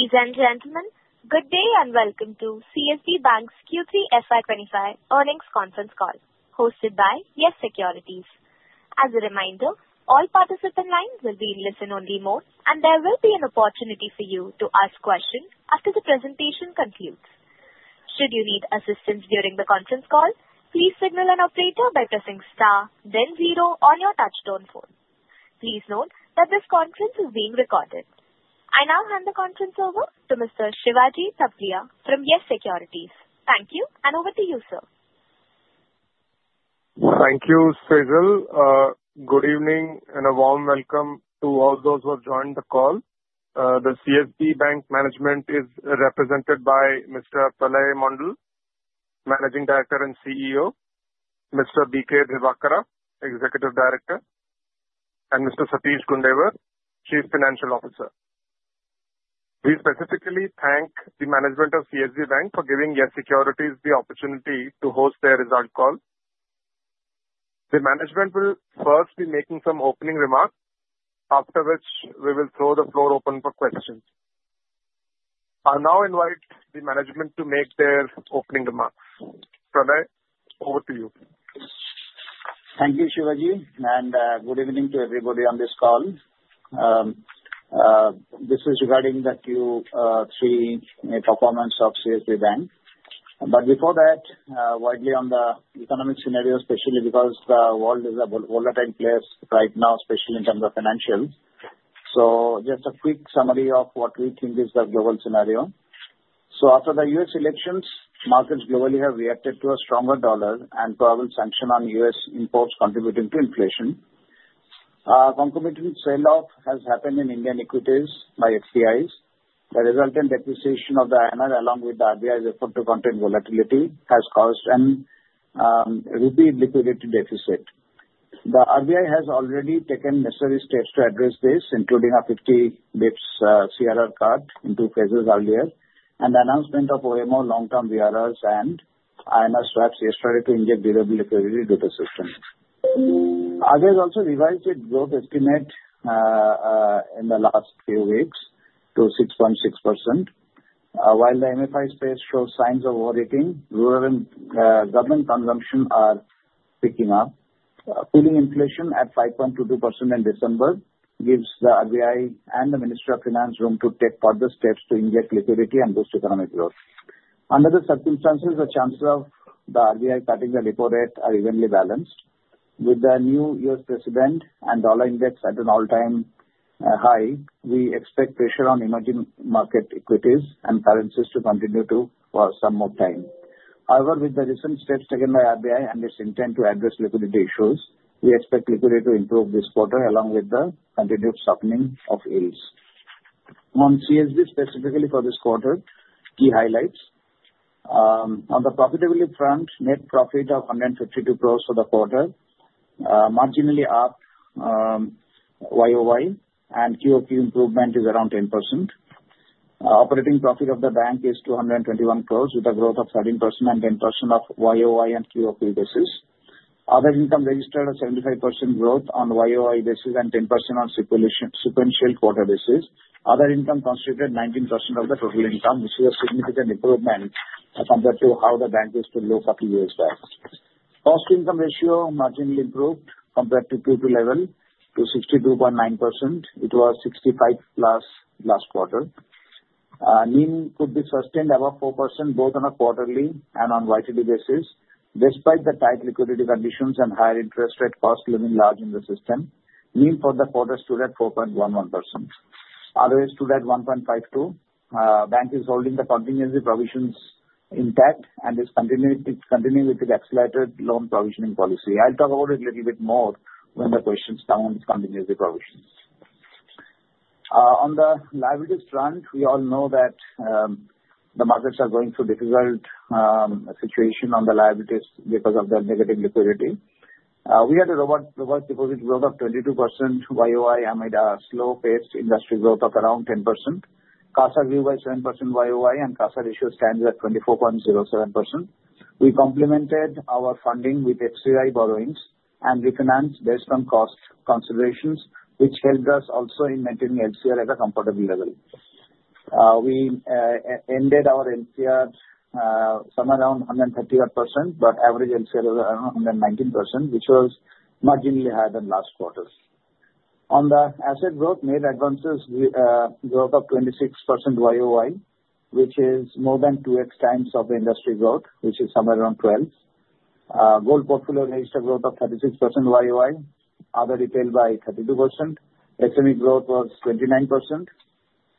Ladies and gentlemen, good day and welcome to CSB Bank's Q3 FY25 Earnings Conference Call, hosted by Yes Securities. As a reminder, all participants' lines will be in listen-only mode, and there will be an opportunity for you to ask questions after the presentation concludes. Should you need assistance during the conference call, please signal an operator by pressing star, then zero on your touch-tone phone. Please note that this conference is being recorded. I now hand the conference over to Mr. Shivaji Thapliyal from Yes Securities. Thank you, and over to you, sir. Thank you, Faisal. Good evening and a warm welcome to all those who have joined the call. The CSB Bank management is represented by Mr. Pralay Mondal, Managing Director and CEO, Mr. B.K. Divakara, Executive Director, and Mr. Satish Gundewar, Chief Financial Officer. We specifically thank the management of CSB Bank for giving Yes Securities the opportunity to host their result call. The management will first be making some opening remarks, after which we will throw the floor open for questions. I now invite the management to make their opening remarks. Pralay, over to you. Thank you, Shivaji, and good evening to everybody on this call. This is regarding the Q3 performance of CSB Bank. But before that, a word on the economic scenario, especially because the world is a volatile place right now, especially in terms of financials. So just a quick summary of what we think is the global scenario. So after the U.S. elections, markets globally have reacted to a stronger dollar and probable sanctions on U.S. imports contributing to inflation. A concomitant sell-off has happened in Indian equities by FDIs. The resultant depreciation of the INR, along with the RBI's effort to contain volatility, has caused a repeat liquidity deficit. The RBI has already taken necessary steps to address this, including a 50 bps CRR cut in two phases earlier, and the announcement of OMO long-term VRRs and INR swaps yesterday to inject durable liquidity to the system. RBI has also revised its growth estimate in the last few weeks to 6.6%. While the MFI space shows signs of overheating, rural and government consumption are picking up. With inflation pulling in at 5.22% in December gives the RBI and the Ministry of Finance room to take further steps to inject liquidity and boost economic growth. Under the circumstances, the chances of the RBI cutting the repo rate are evenly balanced. With the new U.S. president and dollar index at an all-time high, we expect pressure on emerging market equities and currencies to continue for some more time. However, with the recent steps taken by RBI and its intent to address liquidity issues, we expect liquidity to improve this quarter along with the continued softening of yields. On CSB specifically for this quarter, key highlights. On the profitability front, net profit of 152 crores for the quarter, marginally up YoY, and QOQ improvement is around 10%. Operating profit of the bank is 221 crores with a growth of 13% and 10% of YoY and QOQ basis. Other income registered a 75% growth on YoY basis and 10% on sequential quarter basis. Other income constituted 19% of the total income, which is a significant improvement compared to how the bank used to look a few years back. Cost-to-income ratio marginally improved compared to Q2 level to 62.9%. It was 65 plus last quarter. NIM could be sustained above 4% both on a quarterly and on quarterly basis. Despite the tight liquidity conditions and higher interest rate costs looming large in the system, NIM for the quarter stood at 4.11%. ROA stood at 1.52. The bank is holding the contingency provisions intact and is continuing with its accelerated loan provisioning policy. I'll talk about it a little bit more when the questions come on contingency provisions. On the liabilities front, we all know that the markets are going through a difficult situation on the liabilities because of the negative liquidity. We had a reverse deposit growth of 22% YoY amid a slow-paced industry growth of around 10%. CASA grew by 7% YoY, and CASA ratio stands at 24.07%. We complemented our funding with ECB borrowings and refinanced based on cost considerations, which helped us also in maintaining LCR at a comfortable level. We ended our LCR somewhere around 138%, but average LCR was around 119%, which was marginally higher than last quarter. On the asset growth, net advances growth of 26% YoY, which is more than 2X times of industry growth, which is somewhere around 12%. Gold portfolio registered growth of 36% YoY, other retail by 32%. SME growth was 29%.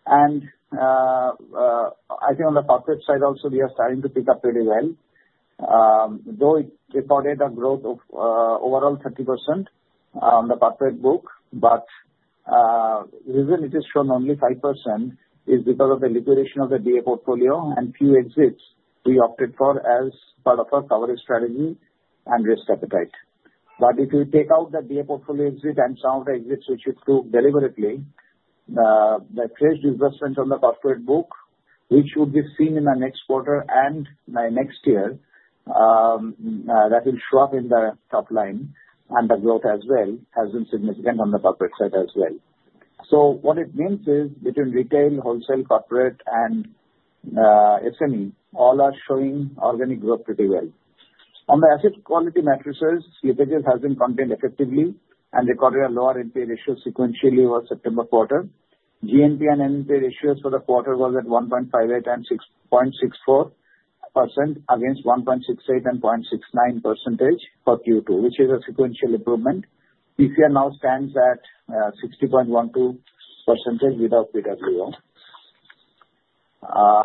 And I think on the corporate side also, we are starting to pick up really well. Though it reported a growth of overall 30% on the corporate book, but the reason it is shown only 5% is because of the liquidation of the DA portfolio and few exits we opted for as part of our coverage strategy and risk appetite. But if you take out the DA portfolio exit and some of the exits which we took deliberately, the fresh disbursement on the corporate book, which should be seen in the next quarter and next year, that will show up in the top line. The growth as well has been significant on the corporate side as well. What it means is between retail, wholesale, corporate, and SME, all are showing organic growth pretty well. On the asset quality matrices, slippages have been contained effectively and recorded a lower NPA ratio sequentially over September quarter. GNPA and NNPA ratios for the quarter were at 1.58% and 6.64% against 1.68% and 0.69% for Q2, which is a sequential improvement. PCR now stands at 60.12% without TWO,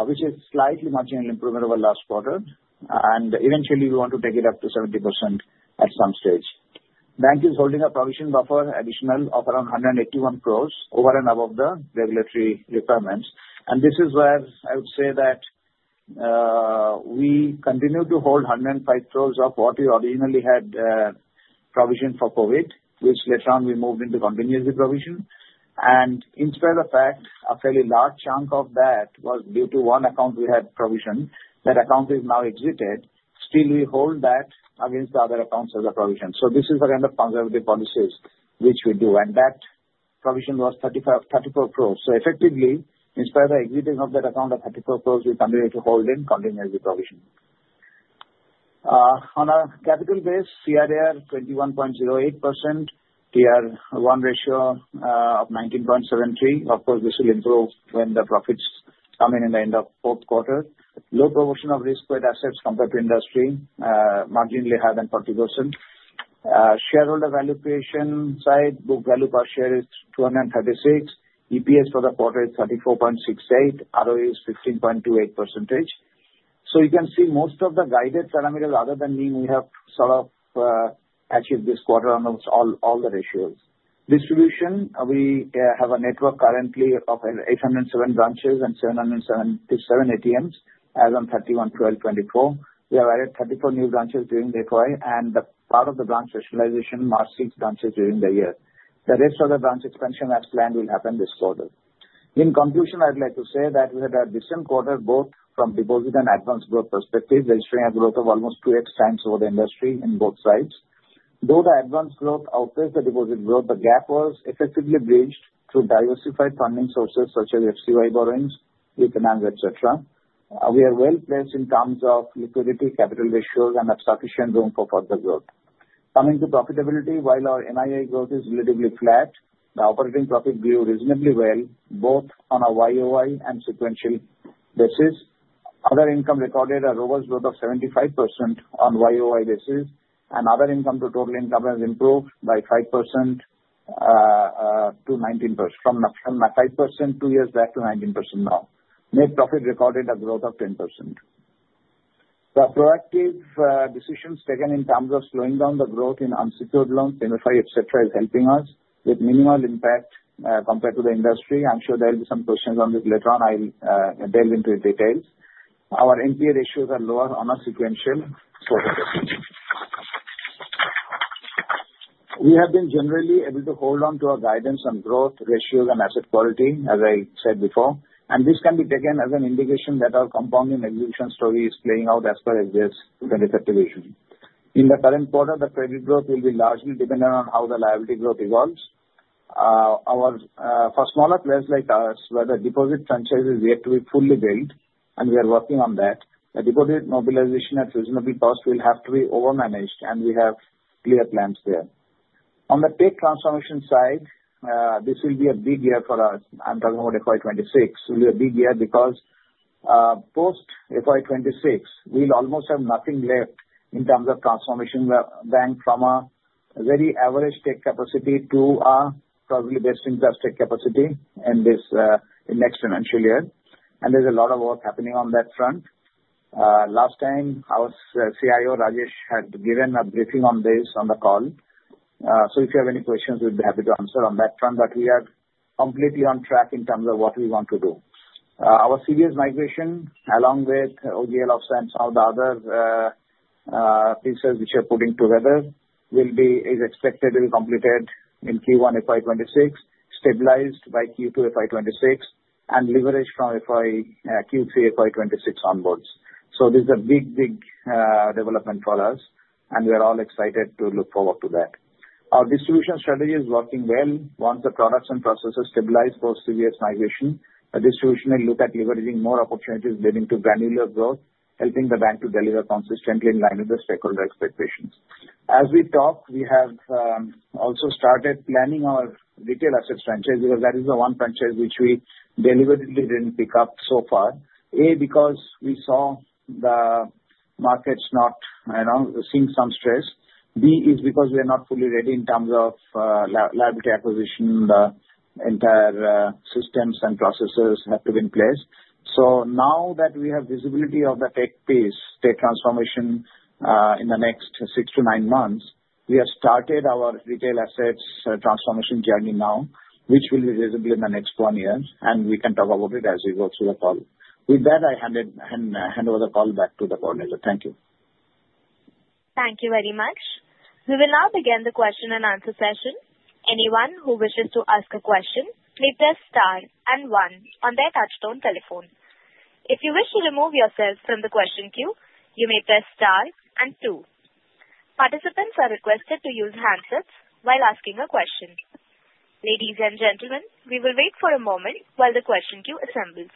which is a slightly marginal improvement over last quarter. Eventually, we want to take it up to 70% at some stage. The bank is holding a provision buffer additional of around 181 crores over and above the regulatory requirements. This is where I would say that we continue to hold 105 crores of what we originally had provision for COVID, which later on we moved into contingency provision. And in spite of that, a fairly large chunk of that was due to one account we had provision. That account is now exited. Still, we hold that against the other accounts as a provision. So this is the kind of conservative policies which we do. And that provision was 34 crores. So effectively, in spite of the exiting of that account of 34 crores, we continue to hold in contingency provision. On a capital base, CRAR 21.08%, Tier 1 ratio of 19.73%. Of course, this will improve when the profits come in at the end of fourth quarter. Low proportion of risk-weighted assets compared to industry, marginally higher than 40%. Shareholder valuation side, book value per share is 236. EPS for the quarter is 34.68. ROE is 15.28%. So you can see most of the guided parameters other than NIM we have sort of achieved this quarter on almost all the ratios. Distribution, we have a network currently of 807 branches and 777 ATMs as of 31/12/2024. We have added 34 new branches during the FY, and part of the branch specialization, merged six branches during the year. The rest of the branch expansion as planned will happen this quarter. In conclusion, I'd like to say that we had a decent quarter both from deposit and advance growth perspective, registering a growth of almost 2X times over the industry in both sides. Though the advance growth outpaced the deposit growth, the gap was effectively bridged through diversified funding sources such as FCY borrowings, refinance, etc. We are well placed in terms of liquidity, capital ratios, and have sufficient room for further growth. Coming to profitability, while our NII growth is relatively flat, the operating profit grew reasonably well both on a YoY and sequential basis. Other income recorded a robust growth of 75% on YoY basis, and other income to total income has improved by 5% from 5% two years back to 19% now. Net profit recorded a growth of 10%. The proactive decisions taken in terms of slowing down the growth in unsecured loans, MFI, etc., is helping us with minimal impact compared to the industry. I'm sure there will be some questions on this later on. I'll delve into the details. Our NPA ratios are lower on a sequential basis. We have been generally able to hold on to our guidance on growth ratios and asset quality, as I said before. This can be taken as an indication that our compounding execution story is playing out as per existing effective issues. In the current quarter, the credit growth will be largely dependent on how the liability growth evolves. For smaller players like us, where the deposit franchise is yet to be fully built, and we are working on that, the deposit mobilization at reasonable cost will have to be overmanaged, and we have clear plans there. On the tech transformation side, this will be a big year for us. I'm talking about FY26. It will be a big year because post FY26, we'll almost have nothing left in terms of transformation of the bank from a very average tech capacity to our probably best-in-class tech capacity in this next financial year. There's a lot of work happening on that front. Last time, our CIO, Rajesh, had given a briefing on this on the call. So if you have any questions, we'd be happy to answer on that front. But we are completely on track in terms of what we want to do. Our CBS migration, along with OGL offsets and some of the other pieces which we are putting together, is expected to be completed in Q1 FY26, stabilized by Q2 FY26, and leveraged from Q3 FY26 onwards. So this is a big, big development for us, and we are all excited to look forward to that. Our distribution strategy is working well. Once the products and processes stabilize post CBS migration, the distribution will look at leveraging more opportunities leading to granular growth, helping the bank to deliver consistently in line with the stakeholder expectations. As we talk, we have also started planning our retail assets franchise because that is the one franchise which we deliberately didn't pick up so far. A, because we saw the markets not seeing some stress. B is because we are not fully ready in terms of liability acquisition. The entire systems and processes have to be in place. So now that we have visibility of the tech piece, tech transformation in the next six-to-nine months, we have started our retail assets transformation journey now, which will be visible in the next one year, and we can talk about it as we go through the call. With that, I hand over the call back to the coordinator. Thank you. Thank you very much. We will now begin the question and answer session. Anyone who wishes to ask a question may press star and one on their touch-tone telephone. If you wish to remove yourself from the question queue, you may press star and two. Participants are requested to use handsets while asking a question. Ladies and gentlemen, we will wait for a moment while the question queue assembles.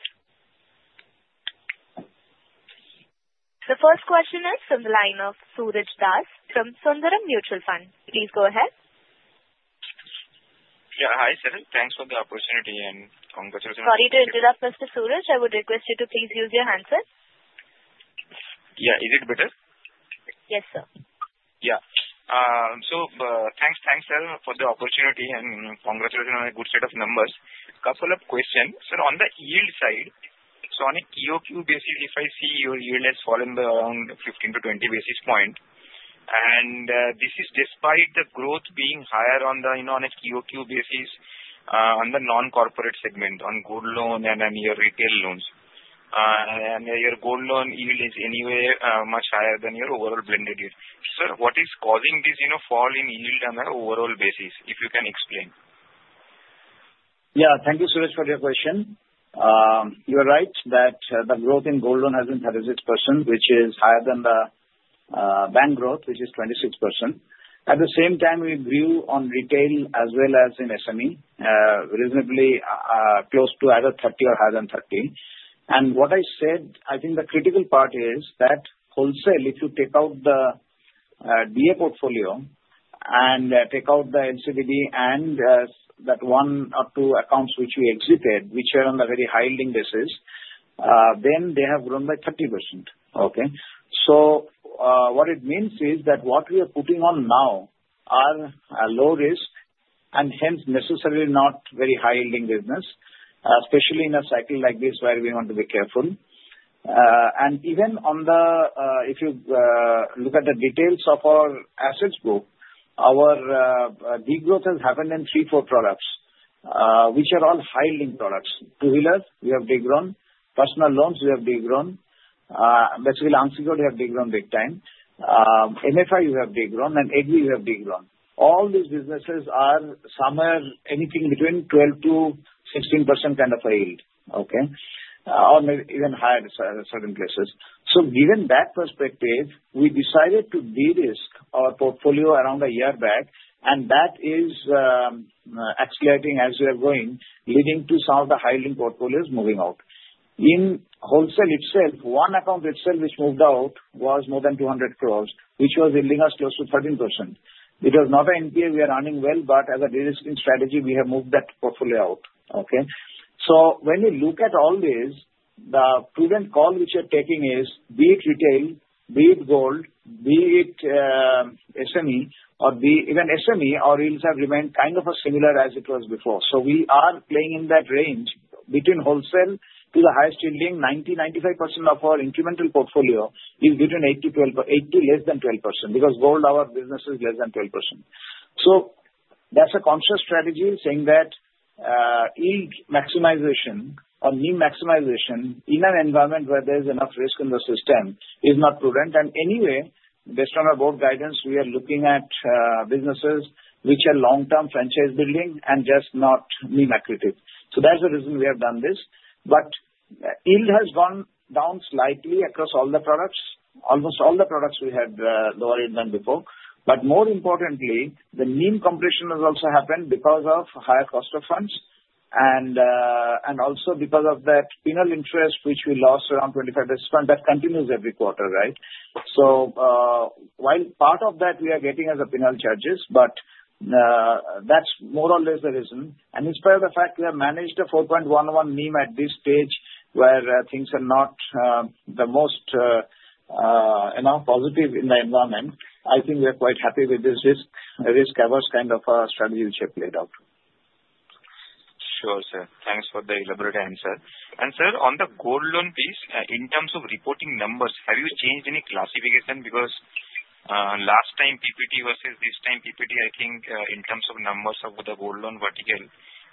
The first question is from the line of Suraj Das from Sundaram Mutual Fund. Please go ahead. Yeah, hi, sir. Thanks for the opportunity and congratulations. Sorry to interrupt, Mr. Suraj. I would request you to please use your handset. Yeah, is it better? Yes, sir. Yeah, so thanks, thanks, sir, for the opportunity and congratulations on a good set of numbers. Couple of questions. Sir, on the yield side, so on a QOQ basis, if I see your yield has fallen by around 15-20 basis points, and this is despite the growth being higher on the QOQ basis on the non-corporate segment on gold loan and your retail loans, and your gold loan yield is anyway much higher than your overall blended yield. Sir, what is causing this fall in yield on an overall basis, if you can explain? Yeah, thank you, Suraj, for your question. You're right that the growth in gold loan has been 36%, which is higher than the bank growth, which is 26%. At the same time, we grew on retail as well as in SME, reasonably close to either 30 or higher than 30. And what I said, I think the critical part is that wholesale, if you take out the DA portfolio and take out the LCBD and that one or two accounts which we exited, which are on the very high yielding basis, then they have grown by 30%. Okay? So what it means is that what we are putting on now are low risk and hence necessarily not very high yielding business, especially in a cycle like this where we want to be careful. And even on the, if you look at the details of our assets group, our degrowth has happened in three, four products, which are all high yielding products. two-wheelers, we have degrown. Personal loans, we have degrown. Basically, unsecured, we have degrown big time. MFI, we have degrown. And agri, we have degrown. All these businesses are somewhere anything between 12%-16% kind of a yield, okay, or even higher in certain cases. So given that perspective, we decided to de-risk our portfolio around a year back, and that is exciting as we are going, leading to some of the high yielding portfolios moving out. In wholesale itself, one account itself which moved out was more than 200 crores, which was yielding us close to 13%. It was not an NPA we are earning well, but as a de-risking strategy, we have moved that portfolio out. Okay? So when you look at all this, the prudent call which we are taking is, be it retail, be it gold, be it SME, or be even SME, our yields have remained kind of similar as it was before. So we are playing in that range between wholesale to the highest yielding 90%-95% of our incremental portfolio is between 8% to less than 12% because gold, our business is less than 12%. So that's a conscious strategy saying that yield maximization or NIM maximization in an environment where there's enough risk in the system is not prudent. And anyway, based on our board guidance, we are looking at businesses which are long-term franchise building and just not NIM-accretive. So that's the reason we have done this. But yield has gone down slightly across all the products, almost all the products we had lower yield than before. But more importantly, the NIM compression has also happened because of higher cost of funds and also because of that penal interest which we lost around 25% that continues every quarter, right? So while part of that we are getting as a penal charges, but that's more or less the reason. And in spite of the fact we have managed a 4.11% NIM at this stage where things are not the most positive in the environment, I think we are quite happy with this risk averse kind of strategy which I've laid out. Sure, sir. Thanks for the elaborate answer. And sir, on the gold loan piece, in terms of reporting numbers, have you changed any classification? Because last time PPT versus this time PPT, I think in terms of numbers of the gold loan vertical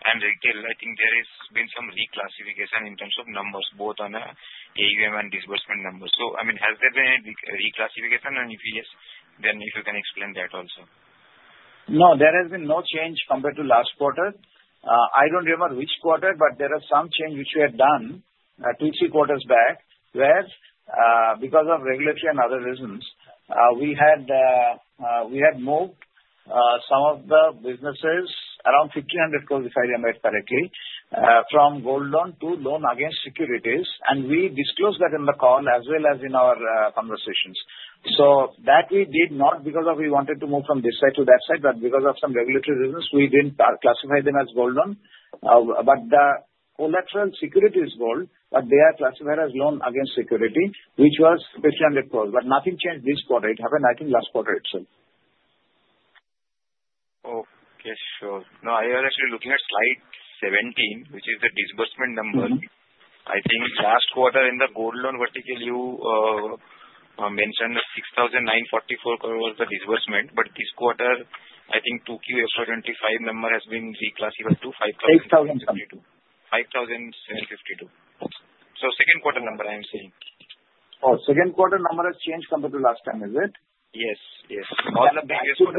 and retail, I think there has been some reclassification in terms of numbers, both on AUM and disbursement numbers. So I mean, has there been any reclassification? And if yes, then if you can explain that also. No, there has been no change compared to last quarter. I don't remember which quarter, but there is some change which we had done two, three quarters back where because of regulation and other reasons, we had moved some of the businesses around 1,500 crores, if I remember it correctly, from gold loan to loan against securities. And we disclosed that in the call as well as in our conversations. So that we did not because we wanted to move from this side to that side, but because of some regulatory reasons, we didn't classify them as gold loan. But the collateral security is gold, but they are classified as loan against security, which was INR 1,500 crores. But nothing changed this quarter. It happened, I think, last quarter itself. Okay, sure. No, I was actually looking at slide 17, which is the disbursement number. I think last quarter in the gold loan vertical, you mentioned 6,944 crores was the disbursement. But this quarter, I think 2Q FY25 number has been reclassified to 5,752. 6,752. 5,752. Second quarter number, I am seeing. Oh, second quarter number has changed compared to last time, is it? Yes, yes. That could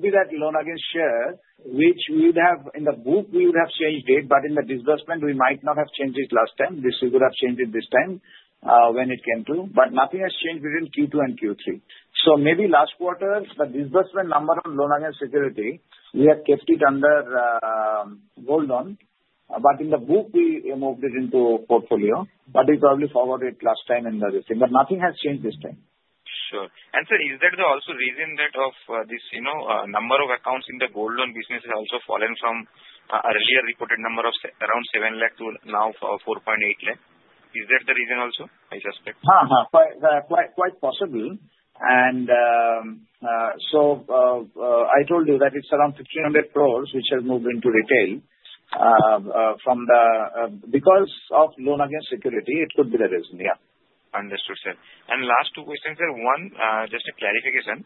be that loan against securities, which we would have in the book, we would have changed it, but in the disbursement, we might not have changed it last time. This we would have changed it this time when it came to. But nothing has changed within Q2 and Q3. So maybe last quarter, the disbursement number on loan against securities, we have kept it under gold loan. But in the book, we moved it into portfolio. But we probably forgot it last time in the listing. But nothing has changed this time. Sure. And sir, is there also a reason that of this number of accounts in the gold loan business has also fallen from earlier reported number of around 7 lakh to now 4.8 lakh? Is that the reason also, I suspect? Haha, quite possible, and so I told you that it's around 1,500 crores which have moved into retail from the because of loan against security. It could be the reason, yeah. Understood, sir. And last two questions, sir. One, just a clarification.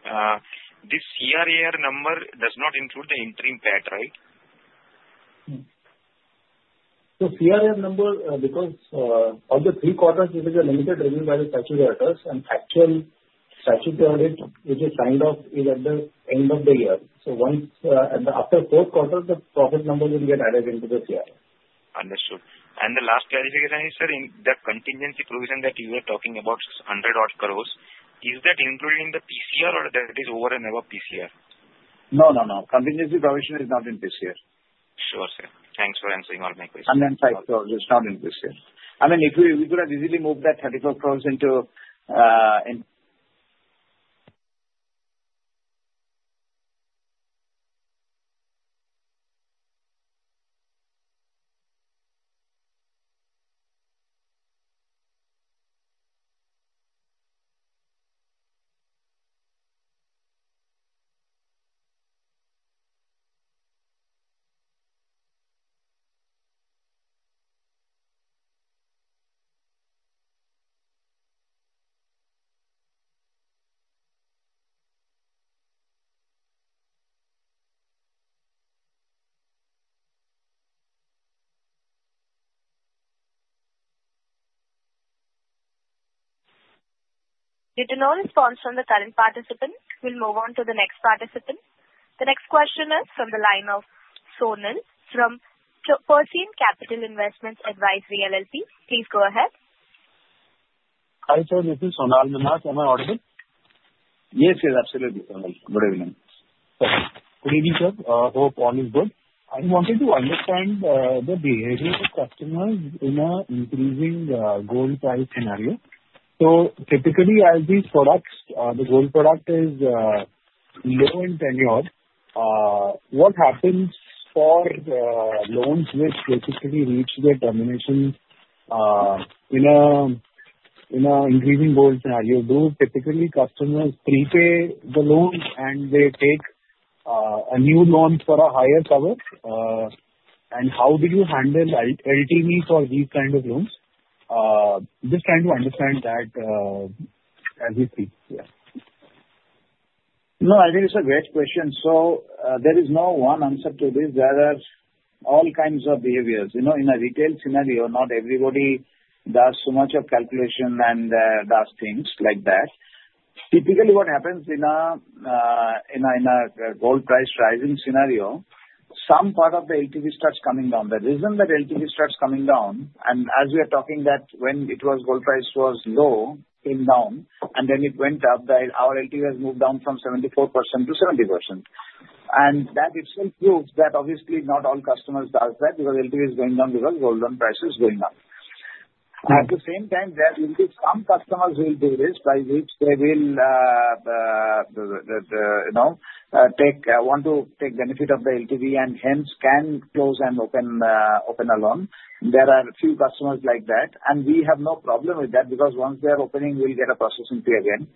This CRAR number does not include the interim PAT, right? So, CRAR number, because of the three quarters, it is a limited review by the statutory auditors. And actual statutory audit, it is kind of at the end of the year. So after four quarters, the profit number will get added into the CRAR. Understood. And the last clarification is, sir, in the contingency provision that you were talking about, 100 crores, is that included in the PCR or that is over and above PCR? No, no, no. Contingency provision is not in PCR. Sure, sir. Thanks for answering all my questions. 105 crores is not in PCR. I mean, we could have easily moved that 34 crores into. Due to no response from the current participant, we'll move on to the next participant. The next question is from the line of Sonal from Prescient Capital. Please go ahead. Hi, sir. This is Sonal. May I have my audio? Yes, yes, absolutely, Sonal. Good evening. Good evening, sir. I hope all is good. I wanted to understand the behavior of customers in an increasing gold price scenario. So typically, as these products, the gold product is low in tenure. What happens for loans which basically reach their termination in an increasing gold scenario? Do typically customers prepay the loans and they take a new loan for a higher cover? And how do you handle LTVs or these kinds of loans? Just trying to understand that as we speak, yeah. No, I think it's a great question. So there is no one answer to this. There are all kinds of behaviors. In a retail scenario, not everybody does so much of calculation and does things like that. Typically, what happens in a gold price rising scenario, some part of the LTV starts coming down. The reason that LTV starts coming down, and as we are talking that when it was gold price was low, came down, and then it went up, our LTV has moved down from 74% to 70%. And that itself proves that obviously not all customers do that because LTV is going down because gold loan price is going up. At the same time, there will be some customers who will do this by which they will want to take benefit of the LTV and hence can close and open a loan. There are a few customers like that and we have no problem with that because once they are opening, we'll get a processing fee again.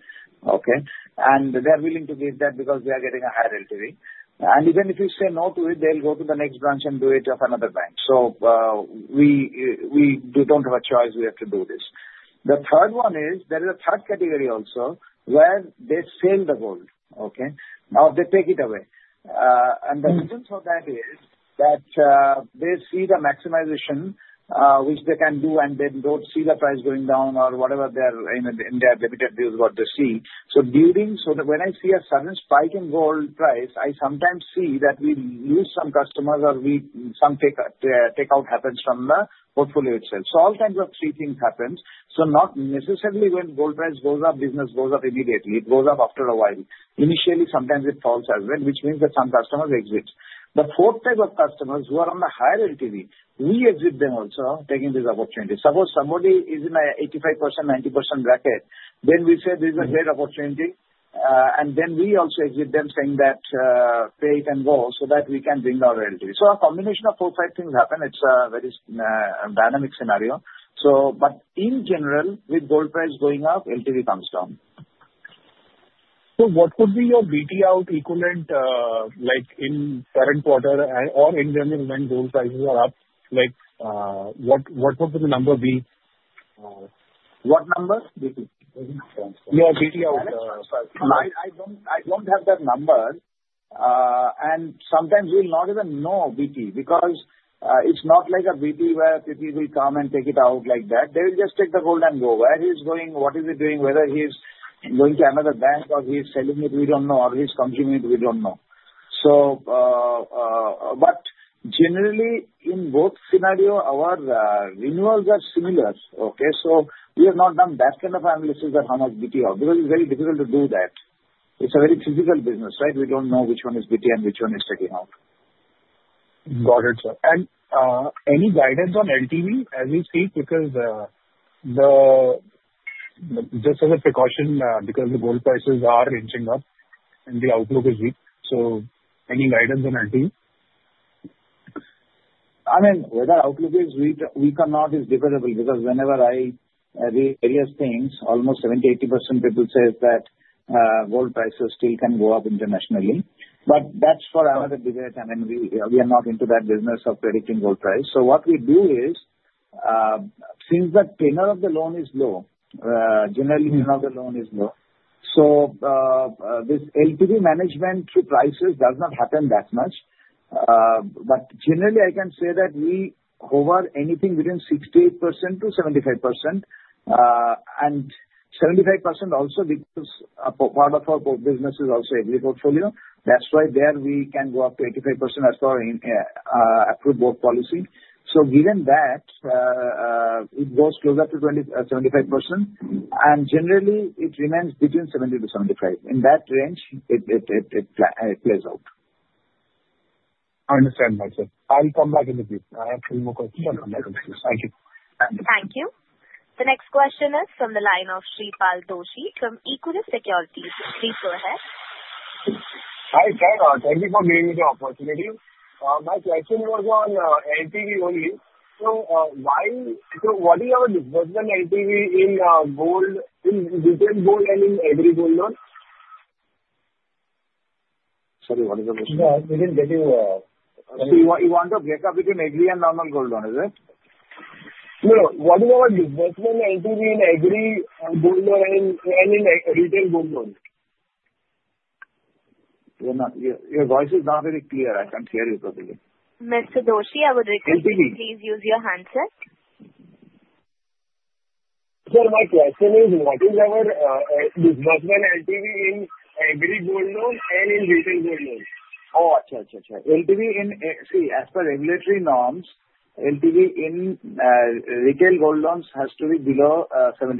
Okay? They are willing to give that because they are getting a higher LTV and even if you say no to it, they'll go to the next branch and do it of another bank, so we don't have a choice. We have to do this. The third one is there is a third category also where they sell the gold, okay, or they take it away. The reason for that is that they see the maximization which they can do and they don't see the price going down or whatever their limited view is what they see, so when I see a sudden spike in gold price, I sometimes see that we lose some customers or some takeout happens from the portfolio itself. So all kinds of retiring happens. So not necessarily when gold price goes up, business goes up immediately. It goes up after a while. Initially, sometimes it falls as well, which means that some customers exit. The fourth type of customers who are on the higher LTV, we exit them also taking this opportunity. Suppose somebody is in an 85%-90% bracket, then we say this is a great opportunity. And then we also exit them saying that pay it and go so that we can bring our LTV. So a combination of four, five things happen. It's a very dynamic scenario. But in general, with gold price going up, LTV comes down. So what would be your BT out equivalent in current quarter or in general when gold prices are up? What would the number be? What number? Yeah, BT out. I don't have that number. And sometimes we'll not even know BT because it's not like a BT where people will come and take it out like that. They will just take the gold and go. Where he's going, what is he doing, whether he's going to another bank or he's selling it, we don't know, or he's consuming it, we don't know. But generally, in both scenarios, our renewals are similar. Okay? So we have not done that kind of analysis at how much BT out because it's very difficult to do that. It's a very physical business, right? We don't know which one is BT and which one is taking out. Got it, sir. And any guidance on LTV as we speak? Because just as a precaution, because the gold prices are inching up and the outlook is weak. So any guidance on LTV? I mean, whether outlook is weak or not is debatable because whenever I read various things, almost 70%-80% people say that gold prices still can go up internationally. But that's for another debate. I mean, we are not into that business of predicting gold price. So what we do is since the tenure of the loan is low, generally tenure of the loan is low. So this LTV management through prices does not happen that much. But generally, I can say that we hover anything within 68%-75%. And 75% also because part of our business is also equity portfolio. That's why there we can go up to 85% as per approved board policy. So given that, it goes closer to 75%. And generally, it remains between 70%-75%. In that range, it plays out. I understand, my sir. I'll come back in a bit. I have no questions. Sure, thank you. Thank you. The next question is from the line of Shreepal Doshi from Equirus Securities. Please go ahead. Hi, thank you for giving me the opportunity. My question was on LTV only. So what is our disbursement LTV in Retail Gold and in Agri Gold Loan? Sorry, what is the question? We didn't get you. So you want to break up between Agri and Normal Gold Loan, is it? No, what is our disbursement LTV in Agri Gold Loan and in Retail Gold Loan? Your voice is not very clear. I can't hear you properly. Mr. Doshi, I would request you to please use your handset. Sir, my question is, what is our disbursement LTV in Agri Gold Loan and in Retail Gold Loan? Oh, I see. LTV, as per regulatory norms, LTV in retail gold loans has to be below 75%.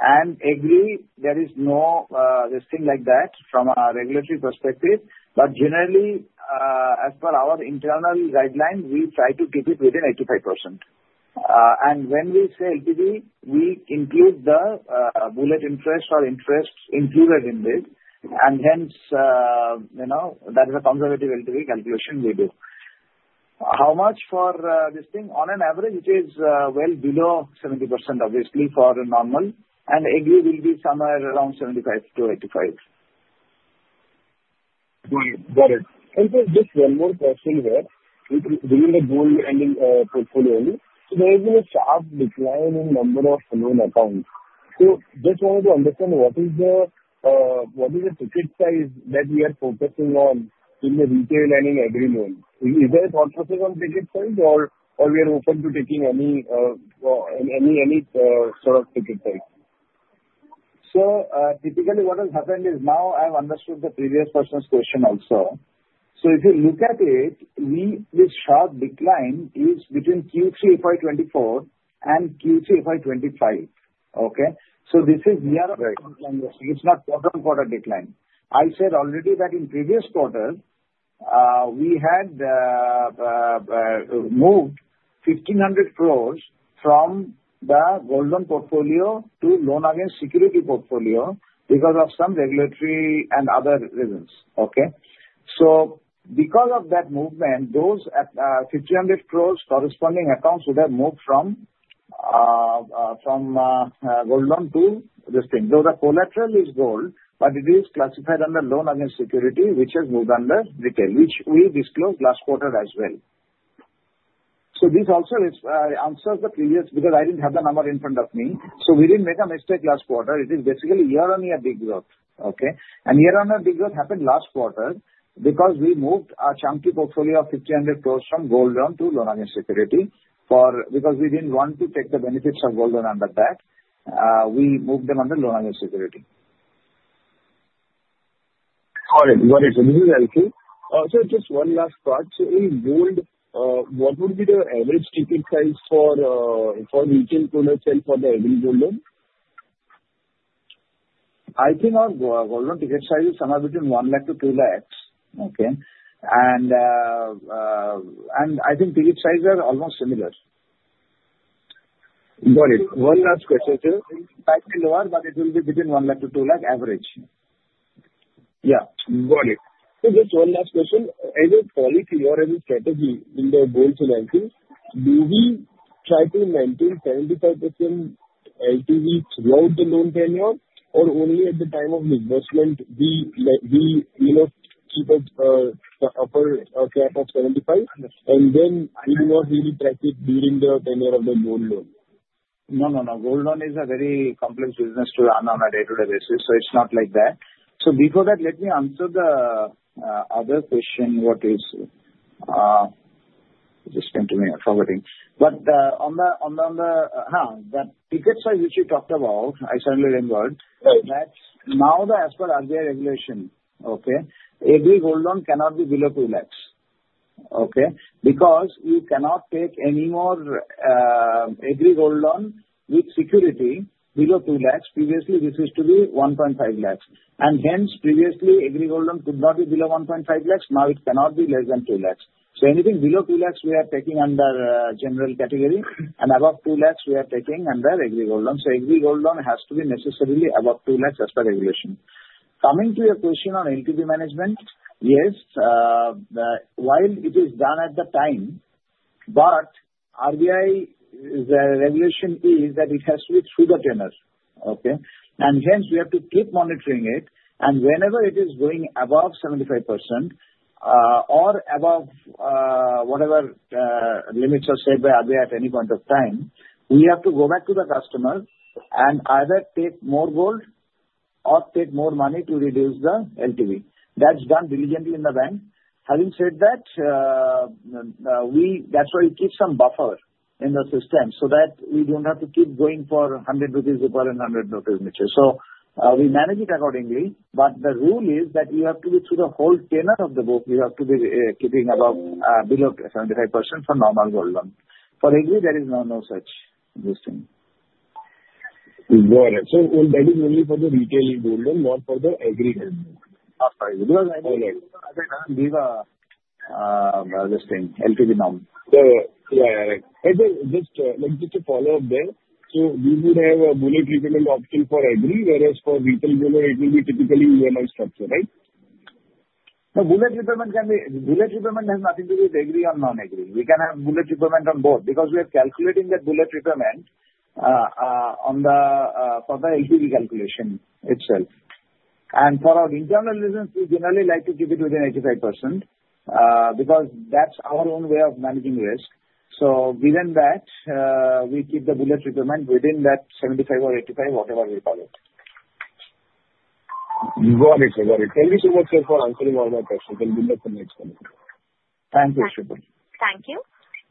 And agri, there is no such thing like that from a regulatory perspective. But generally, as per our internal guideline, we try to keep it within 85%. And when we say LTV, we include the bullet interest or interest included in this. And hence, that is a conservative LTV calculation we do. How much for this thing? On average, it is well below 70%, obviously, for normal. And agri will be somewhere around 75%-85%. Got it. And sir, just one more question here. Within the gold lending portfolio, there has been a sharp decline in number of loan accounts. So just wanted to understand what is the ticket size that we are focusing on in the retail and in agri loan? Is there a thought process on ticket size or we are open to taking any sort of ticket size? So typically, what has happened is now I've understood the previous person's question also. So if you look at it, this sharp decline is between Q3 FY24 and Q3 FY25. Okay? So this is year of the compliance. It's not quarter on quarter decline. I said already that in previous quarter, we had moved 1500 crores from the gold loan portfolio to loan against security portfolio because of some regulatory and other reasons. Okay? So because of that movement, those 1500 crores corresponding accounts would have moved from gold loan to this thing. So the collateral is gold, but it is classified under loan against security, which has moved under retail, which we disclosed last quarter as well. So this also answers the previous because I didn't have the number in front of me. So we didn't make a mistake last quarter. It is basically year-on-year degrowth. Okay? And year-on-year degrowth happened last quarter because we moved our chunky portfolio of 1,500 crores from gold loan to loan against security because we didn't want to take the benefits of gold loan under that. We moved them under loan against security. Got it. Got it. So this is LTV. Also, just one last thought. So in gold, what would be the average ticket size for Retail Gold and for the Agri Gold Loan? I think our gold loan ticket size is somewhere between one lakh to two lakhs. Okay? And I think ticket size are almost similar. Got it. One last question, sir. Slightly lower, but it will be between 1 lakh to 2 lakh average. Yeah. Got it. So just one last question. As a policy or as a strategy in the gold financing, do we try to maintain 75% LTV throughout the loan tenure or only at the time of disbursement we keep the upper cap of 75 and then we will not really track it during the tenure of the gold loan? No, no, no. Gold Loan is a very complex business to run on a day-to-day basis. So it's not like that. So before that, let me answer the other question what is. Just came to me. I'm forgetting. But on the ticket size which you talked about, I certainly remembered, that now as per RBI regulation, okay, Agri Gold Loan cannot be below 2 lakhs. Okay? Because you cannot take any more Agri Gold Loan with security below 2 lakhs. Previously, this used to be 1.5 lakhs. And hence, previously, Agri Gold Loan could not be below 1.5 lakhs. Now it cannot be less than 2 lakhs. So anything below 2 lakhs, we are taking under general category. And above 2 lakhs, we are taking under Agri Gold Loan. So Agri Gold Loan has to be necessarily above 2 lakhs as per regulation. Coming to your question on LTV management, yes, while it is done at the time, but RBI regulation is that it has to be through the tenure. Okay? And hence, we have to keep monitoring it. And whenever it is going above 75% or above whatever limits are set by RBI at any point of time, we have to go back to the customer and either take more gold or take more money to reduce the LTV. That's done diligently in the bank. Having said that, that's why we keep some buffer in the system so that we don't have to keep going for 100 rupees upon 100 rupees each. So we manage it accordingly. But the rule is that you have to be through the whole tenure of the book. You have to be keeping below 75% for normal gold loan. For agri, there is no such thing. Got it. So that is only for the retail gold loan, not for the Agri Gold Loan. Because I mean, I cannot give this thing, LTV norm. Yeah, yeah, yeah. Just to follow up there. So we would have a bullet repayment option for agri, whereas for retail gold loan, it will be typically year-on-year structure, right? Now, bullet repayment has nothing to do with agri or non-agri. We can have bullet repayment on both because we are calculating the bullet repayment for the LTV calculation itself. For our internal reasons, we generally like to keep it within 85% because that's our own way of managing risk. Within that, we keep the bullet repayment within that 75% or 85%, whatever we call it. Got it. Got it. Thank you so much for answering all my questions. I'll be back to the next one. Thank you. Thank you.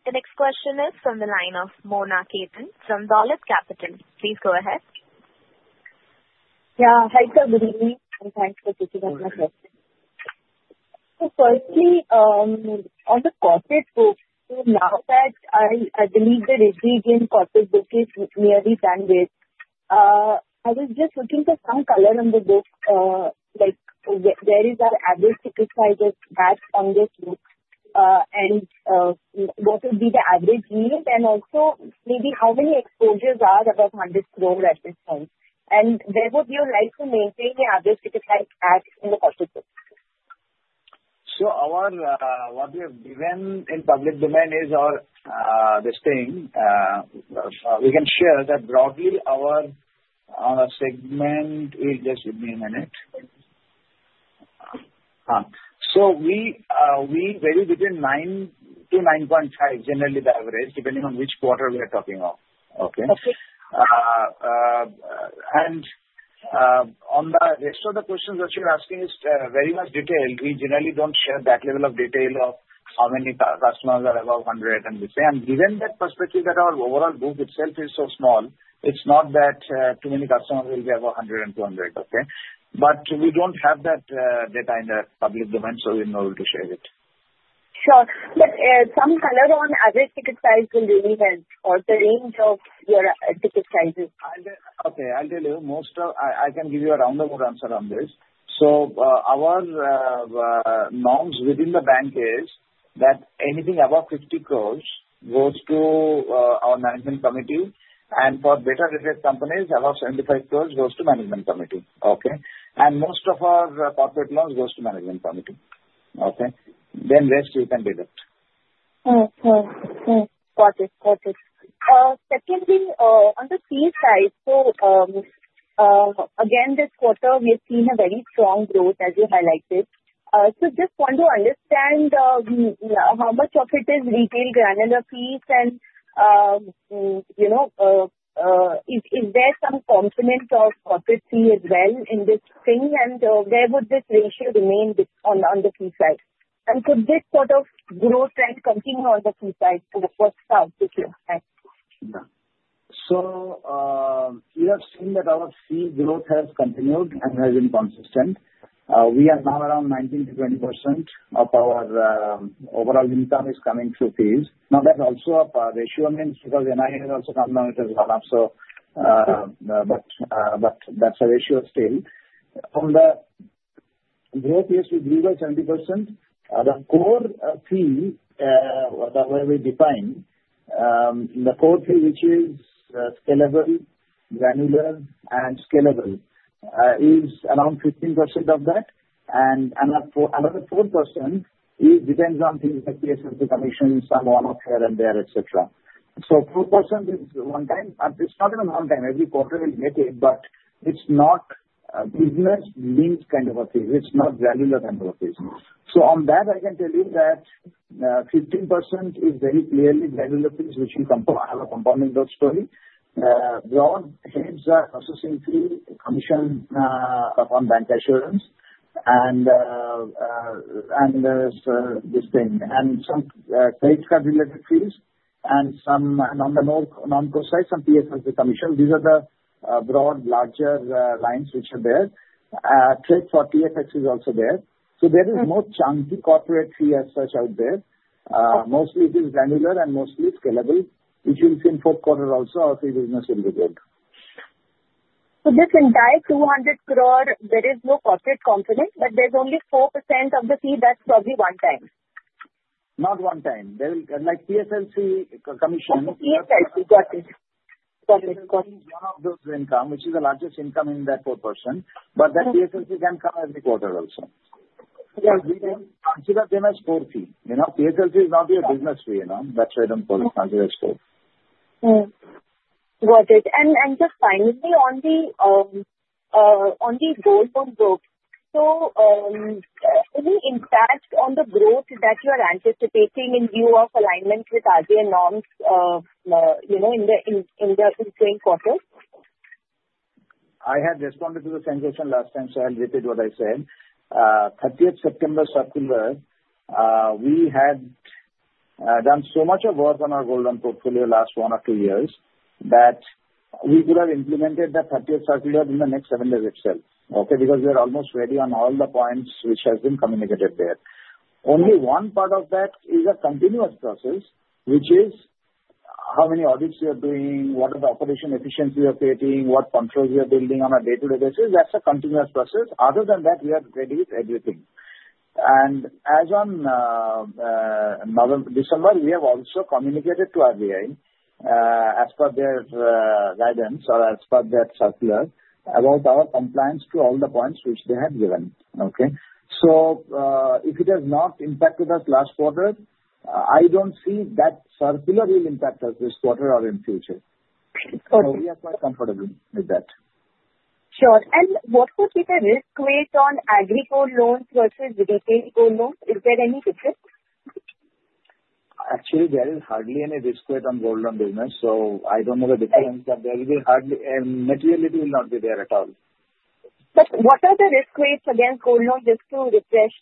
The next question is from the line of Mona Khetan from Dolat Capital. Please go ahead. Yeah. Hi, sir. Good evening. And thanks for taking up my question. So firstly, on the corporate book, now that I believe the evergreen corporate book is nearly done with, I was just looking for some color on the book, like where is our average ticket size as of now on this book and what would be the average yield and also maybe how many exposures are above 100 crores at this point. And where would you like to maintain the average ticket size at in the corporate book? So, what we have given in public domain is our this thing. We can share that broadly our segment is just give me a minute. So we vary between 9-9.5, generally the average, depending on which quarter we are talking of. Okay? And on the rest of the questions that you're asking is very much detailed. We generally don't share that level of detail of how many customers are above 100 and this thing. And given that perspective that our overall book itself is so small, it's not that too many customers will be above 100 and 200. Okay? But we don't have that data in the public domain, so we're not able to share it. Sure, but some color on average ticket size will really help or the range of your ticket sizes. Okay. I'll tell you. I can give you a roundabout answer on this. So our norms within the bank is that anything above 50 crores goes to our management committee. And for better rated companies, above 75 crores goes to management committee. Okay? And most of our corporate loans goes to management committee. Okay? Then rest you can deduct. Okay. Got it. Got it. Secondly, on the sell side, so again, this quarter, we have seen a very strong growth as you highlighted. So just want to understand how much of it is retail granular fees and is there some component of corporate fee as well in this thing? And where would this ratio remain on the fee side? And could this sort of growth trend continue on the fee side for the first half of this year? Thanks. So you have seen that our fee growth has continued and has been consistent. We are now around 19%-20% of our overall income is coming through fees. Now, that's also a ratio. I mean, because NII has also come down as well. But that's a ratio still. On the growth, yes, we grew by 70%. The core fee, whatever we define, the core fee, which is scalable, granular, and scalable, is around 15% of that. And another 4% depends on things like the SME Commission, some one-off here and there, etc. So 4% is one time. It's not even one time. Every quarter we get it, but it's not business-linked kind of a fee. It's not granular kind of a fee. So on that, I can tell you that 15% is very clearly granular fees, which we have a compounding growth story. Broad heads are processing fee, commission upon bancassurance, and this thing. Some credit card-related fees and some non-proc side, some TPS commission. These are the broad larger lines which are there. Trade finance TPS is also there. So there is no chunky corporate fee as such out there. Mostly it is granular and mostly scalable, which you'll see in fourth quarter also our fee business will be good. So this entire 200 crore, there is no corporate component, but there's only 4% of the fee. That's probably one time. Not one time. Like TPS commission. TPS. Got it. Got it. Got it. One of those income, which is the largest income in that 4%. But that TPS can come every quarter also. We can consider them as core fee. TPS is not your business fee. That's why I don't call it considered core. Got it. And just finally, on the gold loan book, so any impact on the growth that you are anticipating in view of alignment with RBI norms in the upcoming quarter? I had responded to the question last time, so I'll repeat what I said. 30th September circular, we had done so much work on our gold loan portfolio last one or two years that we could have implemented the 30th circular in the next seven days itself. Okay? Because we are almost ready on all the points which have been communicated there. Only one part of that is a continuous process, which is how many audits you are doing, what are the operational efficiencies you are creating, what controls you are building on a day-to-day basis. That's a continuous process. Other than that, we are ready with everything. And as of December, we have also communicated to RBI as per their guidance or as per that circular about our compliance to all the points which they have given. Okay? So if it has not impacted us last quarter, I don't see that circular will impact us this quarter or in future. So we are quite comfortable with that. Sure. And what would be the risk weight on aggregate gold loans versus retail gold loans? Is there any difference? Actually, there is hardly any risk weight on gold loan business. So I don't know the difference, but there will be hardly materiality will not be there at all. But what are the risk weights against gold loans? Just to refresh.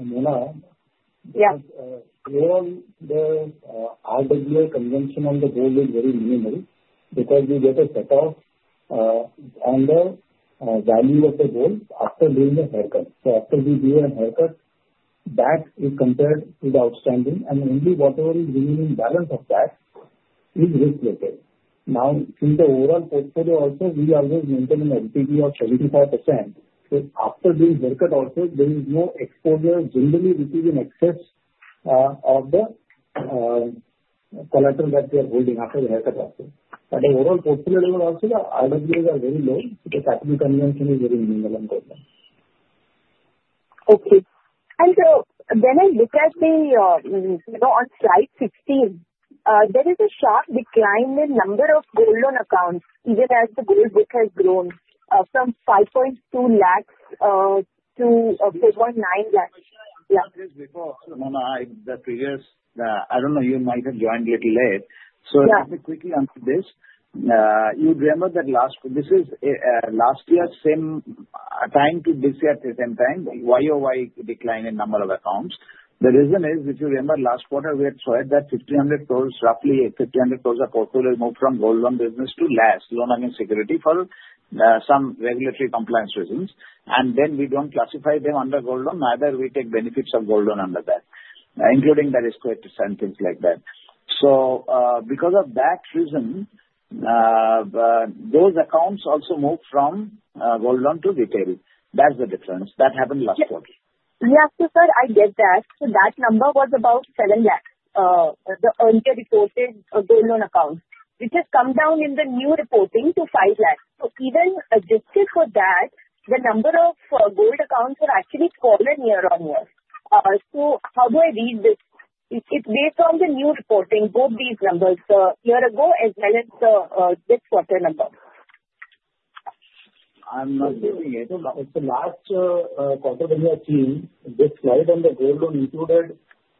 Mona, overall, the RWA convention on the gold is very minimal because we get a cut-off on the value of the gold after doing a haircut. So after we do a haircut, that is compared to the outstanding. And only whatever is remaining balance of that is risk-weighted. Now, in the overall portfolio also, we always maintain an LTV of 75%. So after doing haircut also, there is no exposure. Generally, we see an excess of the collateral that we are holding after the haircut also. At the overall portfolio level also, the RWAs are very low. The category convention is very minimal on gold loans. Okay. When I look at the one on slide 16, there is a sharp decline in number of gold loan accounts, even as the gold book has grown from 5.2 lakhs to 4.9 lakhs. Yeah. Mona, the previous I don't know. You might have joined a little late. So just to quickly answer this, you remember that last this is last year's same time to this year at the same time, YoY decline in number of accounts. The reason is, if you remember last quarter, we had saw that 1,500 crores, roughly 1,500 crores of portfolio moved from gold loan business to LAS loan against security for some regulatory compliance reasons. And then we don't classify them under gold loan. Neither we take benefits of gold loan under that, including the risk weight and things like that. So because of that reason, those accounts also moved from gold loan to retail. That's the difference. That happened last quarter. Yeah. So, sir, I get that. So that number was about 7 lakhs, the earlier reported gold loan accounts, which has come down in the new reporting to 5 lakhs. So even adjusted for that, the number of gold accounts were actually smaller year-on-year. So how do I read this? It's based on the new reporting, both these numbers, the year-ago as well as the this quarter number. I'm not giving it. The last quarter when you have seen this slide on the gold loan included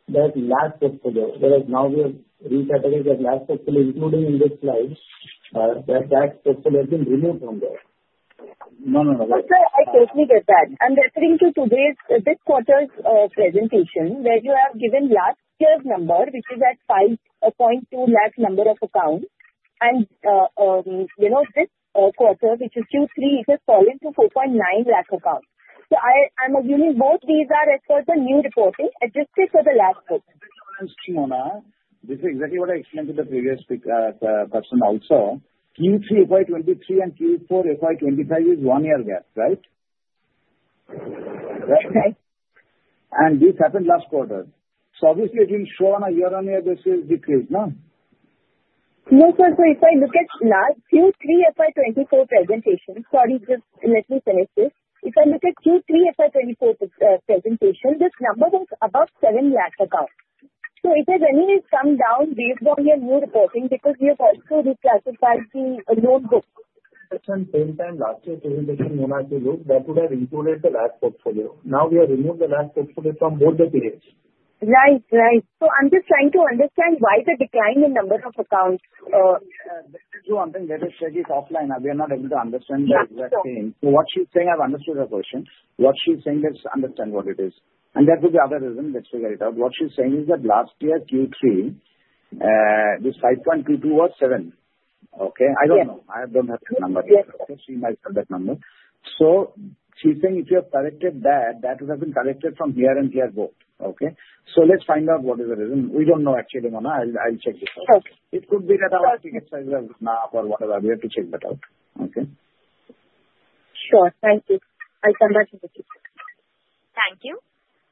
that last portfolio, whereas now we have recategorized that last portfolio including in this slide, that that portfolio has been removed from there. No, no, no. Sir, I totally get that. I'm referring to today's this quarter's presentation where you have given last year's number, which is at 5.2 lakh number of accounts. And this quarter, which is Q3, it has fallen to 4.9 lakh accounts. So I'm assuming both these are as per the new reporting, adjusted for the last book. This is exactly what I explained to the previous person also. Q3 FY 2023 and Q4 FY 2025 is one-year gap, right? And this happened last quarter. So obviously, it will show on a year-on-year basis decrease, no? No, sir. So if I look at last Q3 FY 24 presentation, sorry, just let me finish this. If I look at Q3 FY 24 presentation, this number was above 7 lakh accounts. So it has anyway come down based on your new reporting because we have also reclassified the loan book. Same time last year presentation, Mona, to look that would have included the last portfolio. Now we have removed the last portfolio from both the periods. Right, right. So I'm just trying to understand why the decline in number of accounts. That is why she's offline. We are not able to understand the exact thing. So what she's saying, I've understood her question. What she's saying is understand what it is. And that would be the other reason. Let's figure it out. What she's saying is that last year, Q3, this 5.22 was 7. Okay? I don't know. I don't have that number. I have to see myself that number. So she's saying if you have corrected that, that would have been corrected from year-on-year growth. Okay? So let's find out what is the reason. We don't know actually, Mona. I'll check this out. It could be that our ticket size has been up or whatever. We have to check that out. Okay? Sure. Thank you. I'll come back to the queue. Thank you.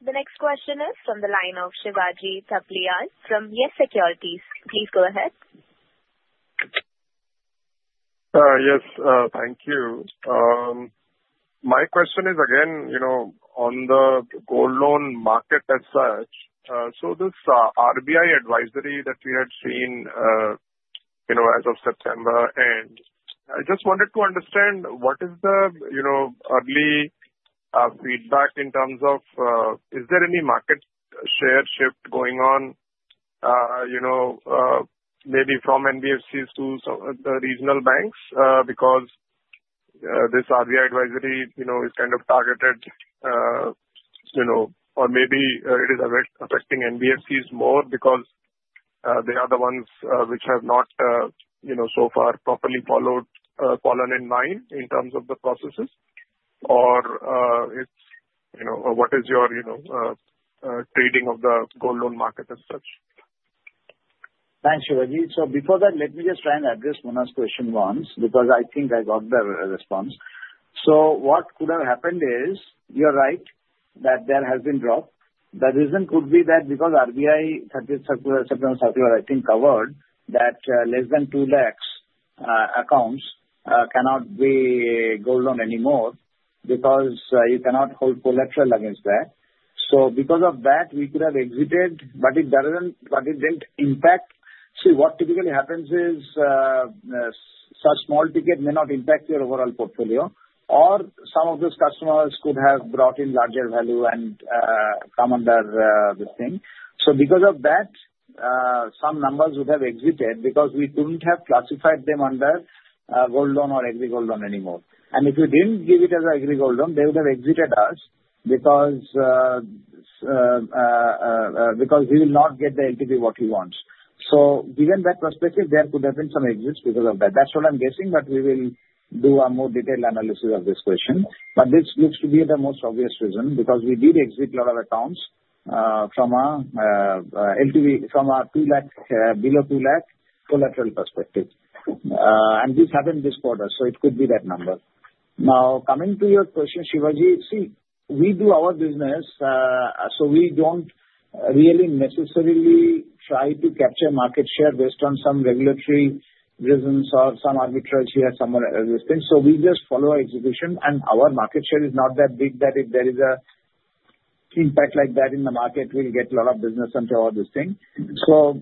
The next question is from the line of Shivaji Thapliyal from Yes Securities. Please go ahead. Yes. Thank you. My question is, again, on the gold loan market as such, so this RBI advisory that we had seen as of September, and I just wanted to understand what is the early feedback in terms of is there any market share shift going on maybe from NBFCs to some of the regional banks because this RBI advisory is kind of targeted or maybe it is affecting NBFCs more because they are the ones which have not so far properly fallen in line in terms of the processes? Or what is your reading of the gold loan market as such? Thanks, Shivaji. So before that, let me just try and address Mona's question once because I think I got the response. So what could have happened is you're right that there has been drop. The reason could be that because RBI 30th September circular, I think, covered that less than 2 lakh accounts cannot be gold loan anymore because you cannot hold collateral against that. So because of that, we could have exited, but it didn't impact. See, what typically happens is such small ticket may not impact your overall portfolio. Or some of those customers could have brought in larger value and come under this thing. So because of that, some numbers would have exited because we couldn't have classified them under gold loan or aggregate gold loan anymore. If we didn't give it as an aggregate gold loan, they would have exited us because we will not get the LTV what we want. Given that perspective, there could have been some exits because of that. That's what I'm guessing, but we will do a more detailed analysis of this question. This looks to be the most obvious reason because we did exit a lot of accounts from our LTV from our below two lakh collateral perspective. This happened this quarter, so it could be that number. Now, coming to your question, Shivaji, see, we do our business, so we don't really necessarily try to capture market share based on some regulatory reasons or some arbitrage here somewhere or this thing. So we just follow our execution, and our market share is not that big that if there is an impact like that in the market, we'll get a lot of business onto all this thing. So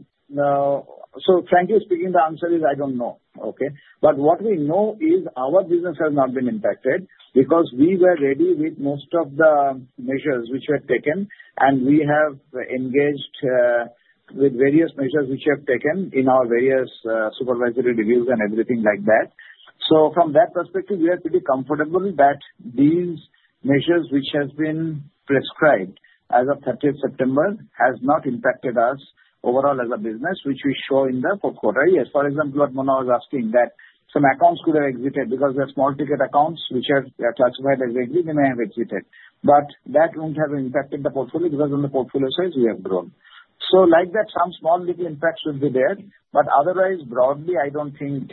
frankly speaking, the answer is I don't know. Okay? But what we know is our business has not been impacted because we were ready with most of the measures which were taken, and we have engaged with various measures which we have taken in our various supervisory reviews and everything like that. So from that perspective, we are pretty comfortable that these measures which have been prescribed as of 30th September have not impacted us overall as a business, which we show in the fourth quarter. Yes. For example, what Mona was asking, that some accounts could have exited because they are small ticket accounts which are classified as aggregate, they may have exited. But that won't have impacted the portfolio because on the portfolio side, we have grown. So like that, some small little impacts would be there. But otherwise, broadly, I don't think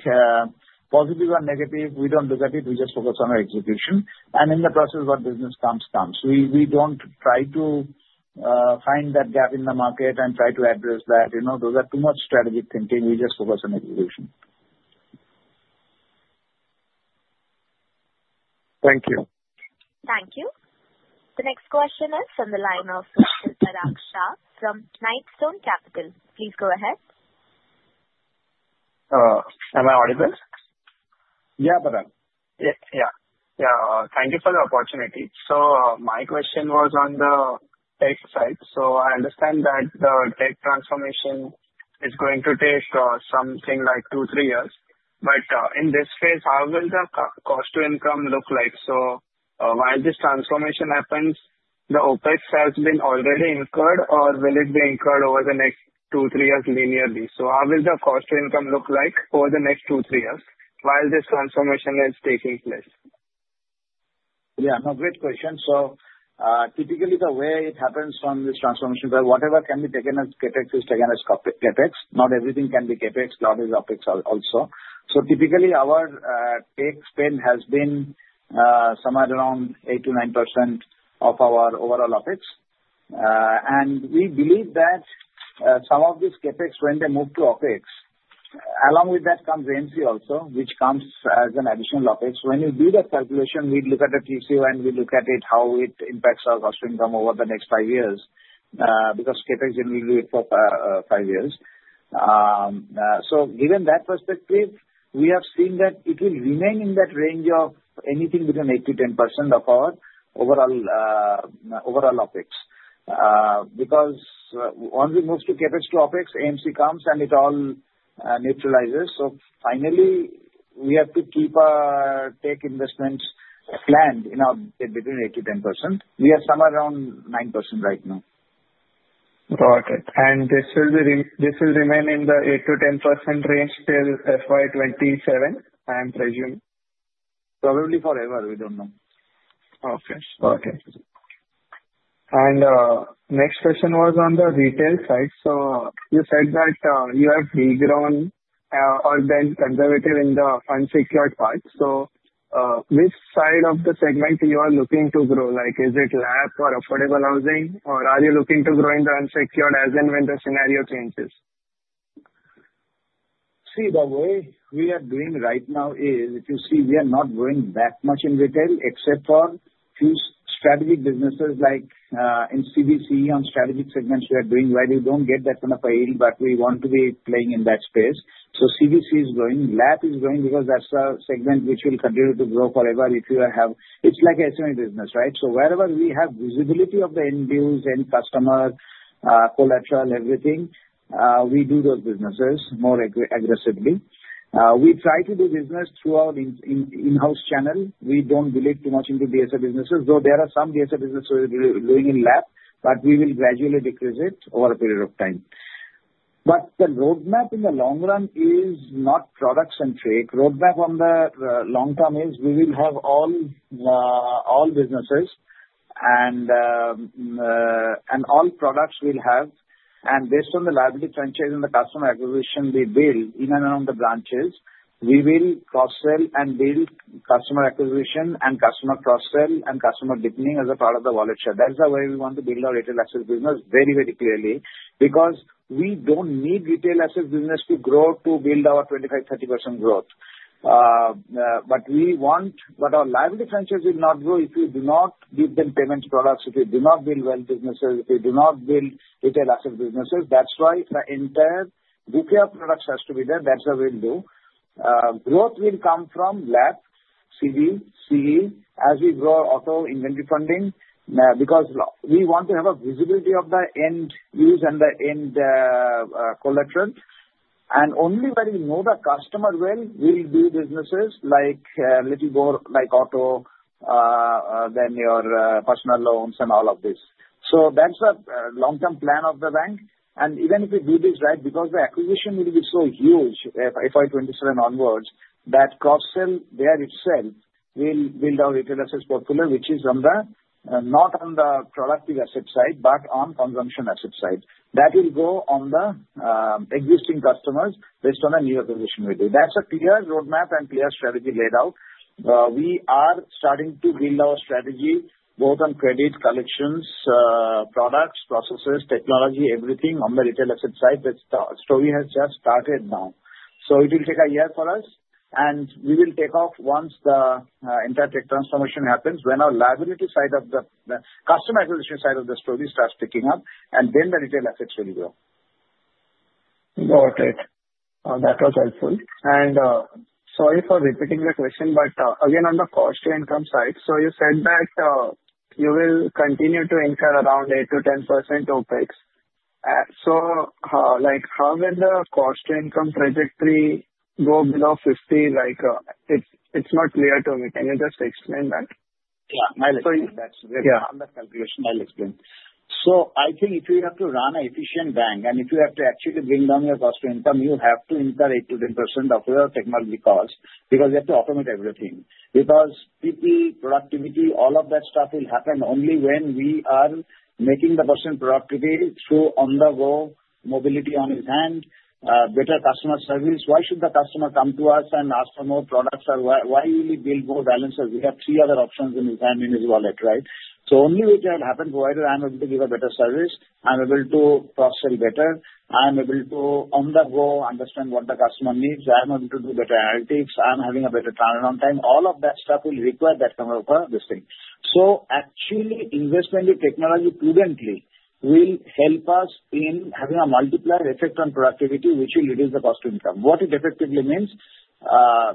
positive or negative, we don't look at it. We just focus on our execution. And in the process, what business comes, comes. We don't try to find that gap in the market and try to address that. Those are too much strategic thinking. We just focus on execution. Thank you. Thank you. The next question is from the line of Mr. Pareekshit Sahewala from Knightstone Capital. Please go ahead. Am I audible? Yeah, brother. Yeah. Yeah. Thank you for the opportunity. So my question was on the tech side. So I understand that the tech transformation is going to take something like two, three years. But in this phase, how will the cost-to-income look like? So while this transformation happens, the OpEx has been already incurred, or will it be incurred over the next two, three years linearly? So how will the cost-to-income look like over the next two, three years while this transformation is taking place? Yeah. No, great question. So typically, the way it happens from this transformation, whatever can be taken as CapEx is taken as CapEx. Not everything can be CapEx. A lot is OpEx also. So typically, our tech spend has been somewhere around 8-9% of our overall OpEx. And we believe that some of these CapEx, when they move to OpEx, along with that comes AMC also, which comes as an additional OpEx. When we do that calculation, we look at the TCO, and we look at how it impacts our cost-to-income over the next five years because CapEx generally will be for five years. So given that perspective, we have seen that it will remain in that range of anything between 8-10% of our overall OpEx because once we move to CapEx to OpEx, AMC comes, and it all neutralizes. Finally, we have to keep our tech investments planned in our between 8%-10%. We are somewhere around 9% right now. Got it. And this will remain in the 8%-10% range till FY 27, I'm presuming? Probably forever. We don't know. Okay. Okay. And next question was on the retail side. So you said that you have degrown or been conservative in the unsecured part. So which side of the segment you are looking to grow? Is it LAP or affordable housing, or are you looking to grow in the unsecured as and when the scenario changes? See, the way we are doing right now is, if you see, we are not going that much in retail except for a few strategic businesses like in CV/CE on strategic segments we are doing where you don't get that kind of a yield, but we want to be playing in that space. So CV/CE is growing. LAP is growing because that's a segment which will continue to grow forever if you have, it's like SME business, right? So wherever we have visibility of the end use and customer collateral, everything, we do those businesses more aggressively. We try to do business through our in-house channel. We don't believe too much into DSA businesses. Though there are some DSA businesses we're doing in LAP, but we will gradually decrease it over a period of time. But the roadmap in the long run is not products and trade. Roadmap on the long term is we will have all businesses and all products we'll have. Based on the liability franchise and the customer acquisition we build in and around the branches, we will cross-sell and build customer acquisition and customer cross-sell and customer deepening as a part of the wallet share. That's the way we want to build our retail asset business very, very clearly because we don't need retail asset business to grow to build our 25%-30% growth. We want our liability franchise will not grow if we do not give them payment products, if we do not build wealth businesses, if we do not build retail asset businesses. That's why the entire book of products has to be there. That's what we'll do. Growth will come from LAP, CV, CE as we grow auto inventory funding because we want to have a visibility of the end use and the end collateral. Only when we know the customer well, we'll do businesses like a little more like auto than your personal loans and all of this. That's the long-term plan of the bank. Even if we do this right, because the acquisition will be so huge FY 2027 onwards, that cross-sell there itself will build our retail asset portfolio, which is not on the productive asset side but on consumption asset side. That will go on the existing customers based on a new acquisition we do. That's a clear roadmap and clear strategy laid out. We are starting to build our strategy both on credit collections, products, processes, technology, everything on the retail asset side. The story has just started now. It will take a year for us. We will take off once the entire tech transformation happens, when our liability side of the customer acquisition side of the story starts picking up, and then the retail assets will grow. Got it. That was helpful. And sorry for repeating the question, but again, on the cost-to-income side, so you said that you will continue to incur around 8%-10% OpEx. So how will the cost-to-income trajectory go below 50? It's not clear to me. Can you just explain that? Yeah. I'll explain. That's on the calculation. I'll explain. So I think if you have to run an efficient bank and if you have to actually bring down your cost-to-income, you have to incur 8%-10% of your technology cost because you have to automate everything. Because people, productivity, all of that stuff will happen only when we are making the person productive through on-the-go, mobility on his hand, better customer service. Why should the customer come to us and ask for more products? Why will he build more balances? We have three other options in his hand, in his wallet, right? So only whichever happens, whether I'm able to give a better service, I'm able to cross-sell better, I'm able to on-the-go understand what the customer needs, I'm able to do better analytics, I'm having a better turnaround time. All of that stuff will require that kind of a thing. So actually, investment in technology prudently will help us in having a multiplier effect on productivity, which will reduce the cost-to-income. What it effectively means?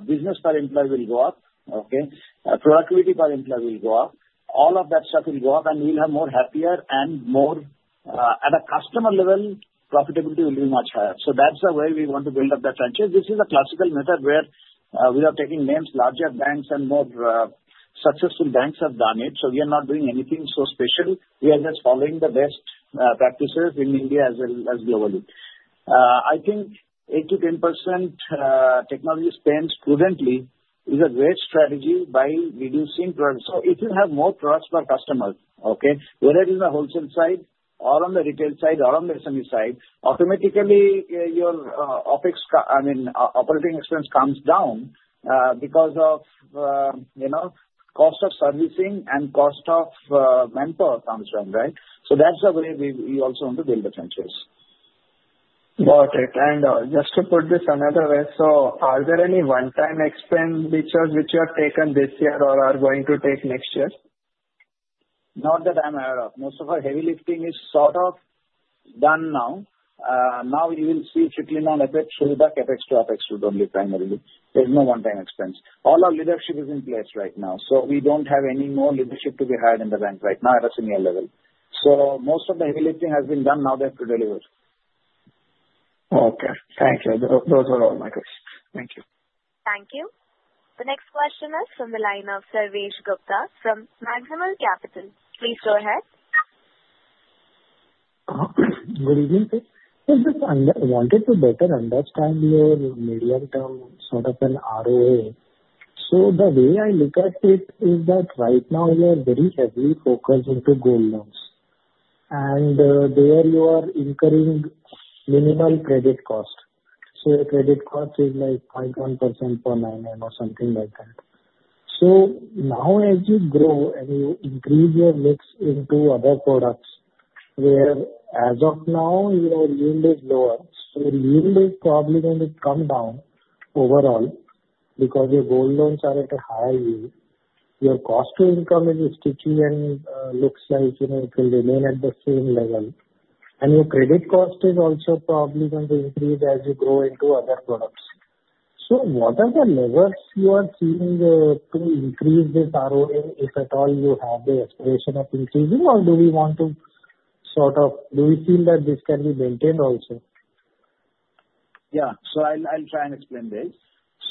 Business per employee will go up. Okay? Productivity per employee will go up. All of that stuff will go up, and we'll have more happier and more at a customer level, profitability will be much higher. So that's the way we want to build up the franchise. This is a classical method where we are taking names, larger banks and more successful banks have done it. So we are not doing anything so special. We are just following the best practices in India as well as globally. I think 8%-10% technology spend prudently is a great strategy by reducing product. So if you have more products per customer, okay, whether it is the wholesale side or on the retail side or on the SME side, automatically your OPEX, I mean, operating expense comes down because of cost of servicing and cost of manpower comes down, right? So that's the way we also want to build the franchise. Got it. And just to put this another way, so are there any one-time expenditures which you have taken this year or are going to take next year? Not that I'm aware of. Most of our heavy lifting is sort of done now. Now we will see if we clean out a bit through the CapEx to OpEx too only primarily. There's no one-time expense. All our leadership is in place right now. So we don't have any more leadership to be hired in the bank right now at a senior level. So most of the heavy lifting has been done now. They have to deliver. Okay. Thank you. Those were all my questions. Thank you. Thank you. The next question is from the line of Sarvesh Gupta from Maximal Capital. Please go ahead. Good evening. I wanted to better understand your medium-term sort of an ROA. So the way I look at it is that right now you are very heavily focused into gold loans. And there you are incurring minimal credit cost. So your credit cost is like 0.1% per 9M or something like that. So now as you grow and you increase your mix into other products where as of now your yield is lower, so yield is probably going to come down overall because your gold loans are at a higher yield. Your cost-to-income is sticky and looks like it will remain at the same level. And your credit cost is also probably going to increase as you grow into other products. So what are the levers you are seeing to increase this ROA if at all you have the expectation of increasing, or do we want to sort of feel that this can be maintained also? Yeah. So I'll try and explain this.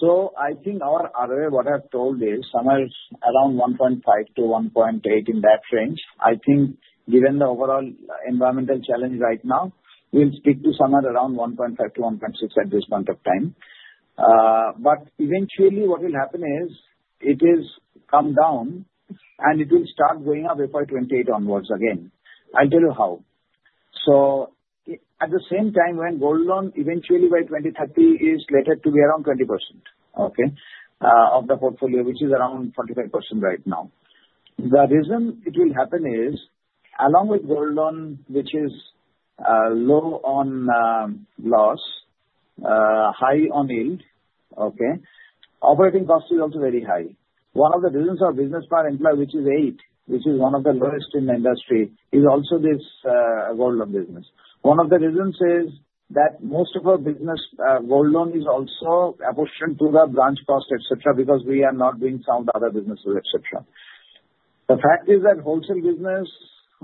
So I think our ROA, what I've told is somewhere around 1.5-1.8 in that range. I think given the overall environmental challenge right now, we'll stick to somewhere around 1.5-1.6 at this point of time. But eventually what will happen is it will come down and it will start going up FY 2028 onwards again. I'll tell you how. So at the same time when gold loan eventually by 2030 is slated to be around 20%, okay, of the portfolio, which is around 25% right now. The reason it will happen is along with gold loan, which is low on loss, high on yield, okay, operating cost is also very high. One of the reasons our business per employee, which is eight, which is one of the lowest in the industry, is also this gold loan business. One of the reasons is that most of our business gold loan is also apportioned to the branch cost, etc., because we are not doing some of the other businesses, etc. The fact is that wholesale business,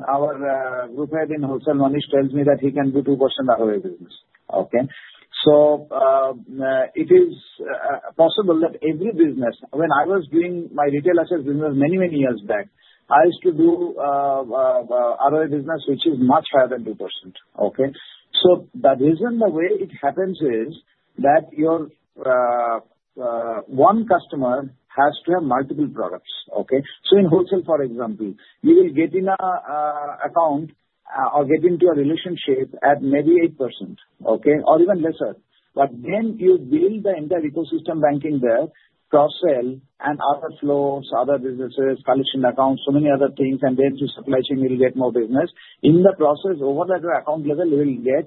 our group head in wholesale, Manish, tells me that he can do 2% ROA business. Okay? So it is possible that every business, when I was doing my retail asset business many, many years back, I used to do ROA business, which is much higher than 2%. Okay? So the reason the way it happens is that one customer has to have multiple products. Okay? So in wholesale, for example, you will get in an account or get into a relationship at maybe 8%, okay, or even lesser. But then you build the entire ecosystem banking there, cross-sell and other flows, other businesses, collection accounts, so many other things, and then through supply chain you'll get more business. In the process, over at your account level, you will get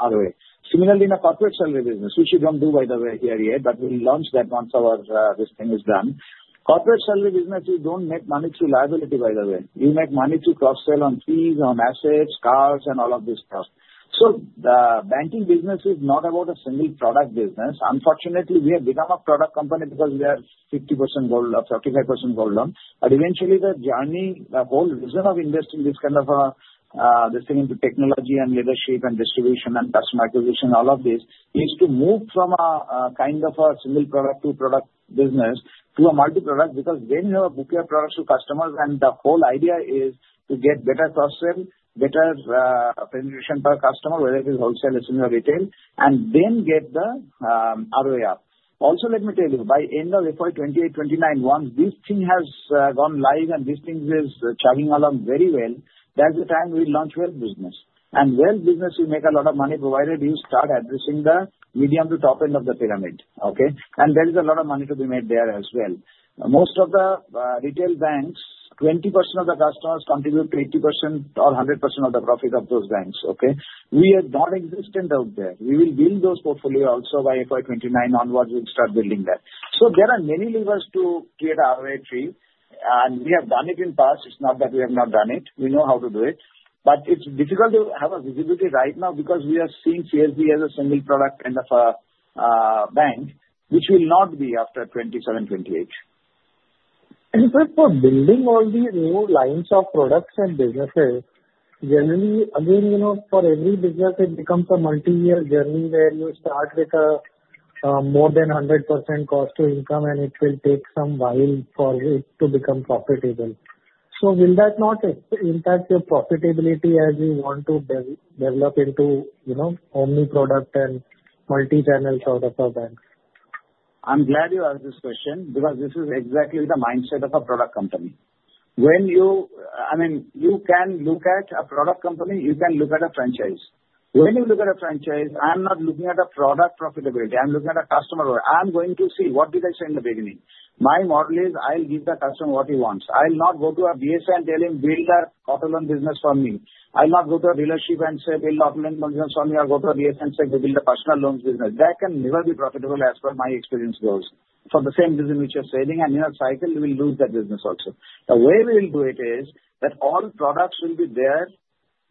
ROA. Similarly, in a corporate salary business, which we don't do, by the way, here yet, but we'll launch that once this thing is done. Corporate salary business, you don't make money through liability, by the way. You make money through cross-sell on fees, on assets, cars, and all of this stuff. So the banking business is not about a single product business. Unfortunately, we have become a product company because we are 50% gold loan, 35% gold loan. Eventually, the journey, the whole reason of investing this kind of a thing into technology and leadership and distribution and customer acquisition, all of this, is to move from a kind of a single product to product business to a multi-product because then you have a book of products to customers, and the whole idea is to get better cross-sell, better penetration per customer, whether it is wholesale, SME, or retail, and then get the ROA up. Also, let me tell you, by end of FY 28, 29, once this thing has gone live and this thing is chugging along very well, that's the time we launch wealth business. Wealth business will make a lot of money provided you start addressing the medium to top end of the pyramid, okay? There is a lot of money to be made there as well. Most of the retail banks, 20% of the customers contribute to 80% or 100% of the profit of those banks, okay? We are nonexistent out there. We will build those portfolio also by FY 2029 onwards and start building that. So there are many levers to create ROA tree. And we have done it in the past. It's not that we have not done it. We know how to do it. But it's difficult to have a visibility right now because we are seeing CSB as a single product kind of a bank, which will not be after 2027, 2028. For building all these new lines of products and businesses, generally, again, for every business, it becomes a multi-year journey where you start with more than 100% cost-to-income, and it will take some while for it to become profitable. Will that not impact your profitability as you want to develop into omni-product and multi-channel sort of a bank? I'm glad you asked this question because this is exactly the mindset of a product company. I mean, you can look at a product company. You can look at a franchise. When you look at a franchise, I'm not looking at a product profitability. I'm looking at a customer role. I'm going to see what did I say in the beginning. My model is I'll give the customer what he wants. I'll not go to a branch and tell him, "Build a auto loan business for me." I'll not go to a dealership and say, "Build auto loan business for me," or go to a branch and say, "We build a personal loans business." That can never be profitable as per my experience goes for the same reason which you're saying, and in a cycle, we will lose that business also. The way we will do it is that all products will be there.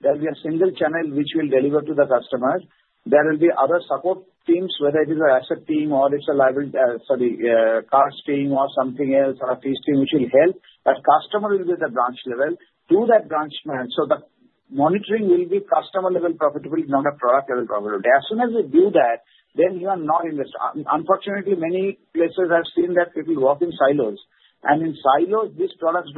There will be a single channel which will deliver to the customer. There will be other support teams, whether it is an asset team or it's a liability - sorry, cash team or something else or a fees team, which will help. But customer will be at the branch level. To that branch man, so the monitoring will be customer-level profitability, not a product-level profitability. As soon as you do that, then you are not invested. Unfortunately, many places I've seen that people work in silos. And in silos, these products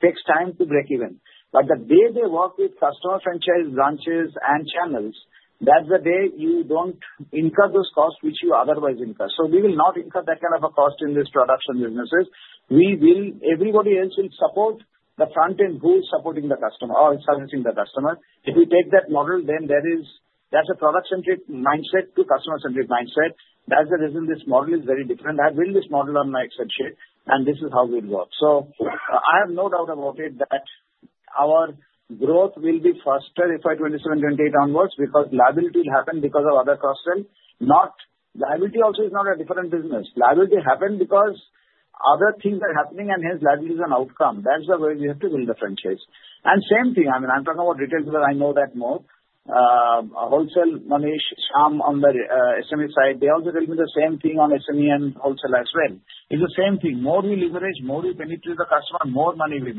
take time to break even. But the day they work with customer franchise branches and channels, that's the day you don't incur those costs which you otherwise incur. So we will not incur that kind of a cost in these products and businesses. Everybody else will support the front-end who is supporting the customer or servicing the customer. If we take that model, then that's a product-centric mindset to customer-centric mindset. That's the reason this model is very different. I build this model on my expertise, and this is how we'll work. So I have no doubt about it that our growth will be faster FY 27, 28 onwards because liability will happen because of other cross-sell. Liability also is not a different business. Liability happened because other things are happening, and hence liability is an outcome. That's the way we have to build the franchise. And same thing, I mean, I'm talking about retail because I know that more. Wholesale, Manish, Shyam on the SME side, they also tell me the same thing on SME and wholesale as well. It's the same thing. More we leverage, more we penetrate the customer, more money we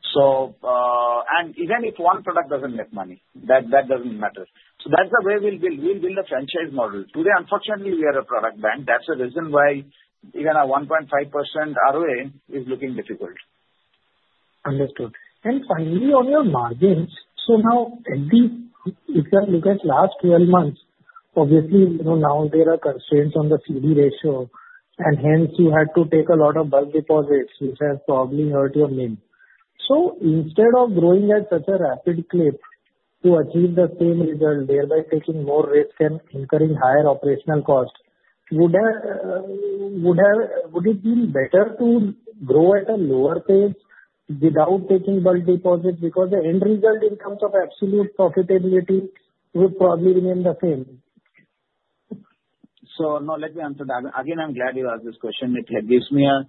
make. Even if one product doesn't make money, that doesn't matter. That's the way we'll build. We'll build a franchise model. Today, unfortunately, we are a product bank. That's the reason why even a 1.5% ROA is looking difficult. Understood. And finally, on your margins, so now, if you look at last 12 months, obviously, now there are constraints on the CD ratio, and hence you had to take a lot of bulk deposits, which has probably hurt your NIM. So instead of growing at such a rapid clip to achieve the same result, thereby taking more risk and incurring higher operational cost, would it be better to grow at a lower pace without taking bulk deposits because the end result in terms of absolute profitability would probably remain the same? So no, let me answer that. Again, I'm glad you asked this question. It gives me an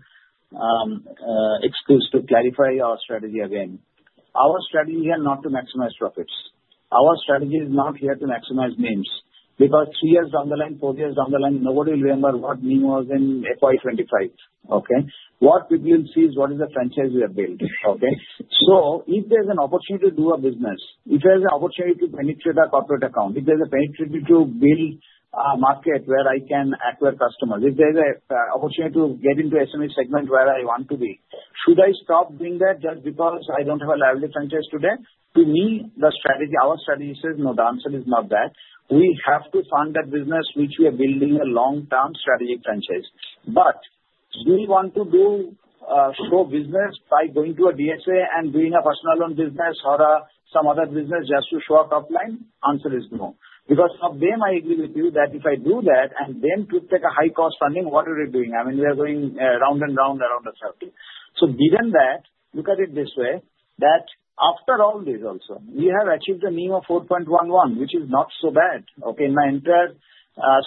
excuse to clarify our strategy again. Our strategy here is not to maximize profits. Our strategy is not here to maximize names because three years down the line, four years down the line, nobody will remember what name was in FY 25. Okay? What people will see is what is the franchise we have built. Okay? So if there's an opportunity to do a business, if there's an opportunity to penetrate a corporate account, if there's an opportunity to penetrate to build a market where I can acquire customers, if there's an opportunity to get into SME segment where I want to be, should I stop doing that just because I don't have a liability franchise today? To me, our strategy says, "No, the answer is not that." We have to fund that business which we are building a long-term strategic franchise. But do we want to show business by going to a DSA and doing a personal loan business or some other business just to show a top line? Answer is no. Because of them, I agree with you that if I do that and then to take a high-cost funding, what are we doing? I mean, we are going round and round around the circle. So given that, look at it this way that after all this, also, we have achieved a NIM of 4.11, which is not so bad. Okay? In my entire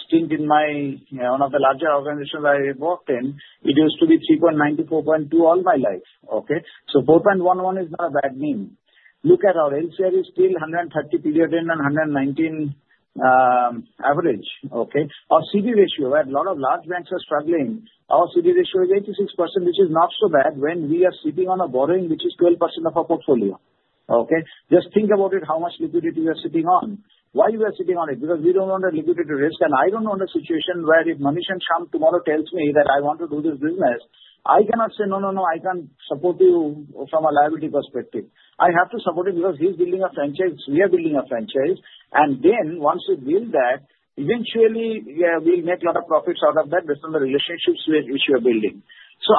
stint in one of the larger organizations I worked in, it used to be 3.9-4.2 all my life. Okay? So 4.11 is not a bad NIM. Look at our LCR is still 130 period end and 119 average. Okay? Our CD ratio, where a lot of large banks are struggling, our CD ratio is 86%, which is not so bad when we are sitting on a borrowing, which is 12% of our portfolio. Okay? Just think about it, how much liquidity we are sitting on. Why we are sitting on it? Because we don't want a liquidity risk, and I don't want a situation where if Manish and Shyam tomorrow tells me that I want to do this business, I cannot say, "No, no, no, I can't support you from a liability perspective." I have to support him because he's building a franchise. We are building a franchise, and then once we build that, eventually, we'll make a lot of profits out of that based on the relationships which we are building.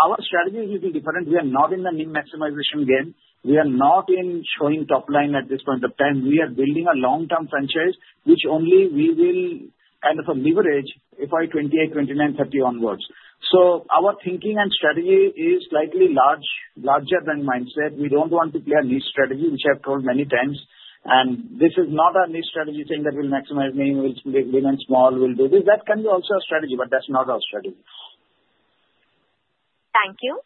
Our strategy will be different. We are not in the NIM maximization game. We are not in showing top line at this point of time. We are building a long-term franchise, which only we will kind of leverage FY 2028, 2029, 2030 onwards. Our thinking and strategy is slightly larger than mindset. We don't want to play a niche strategy, which I've told many times. And this is not a niche strategy saying that we'll maximize NIM, we'll remain small, we'll do this. That can be also a strategy, but that's not our strategy. Thank you.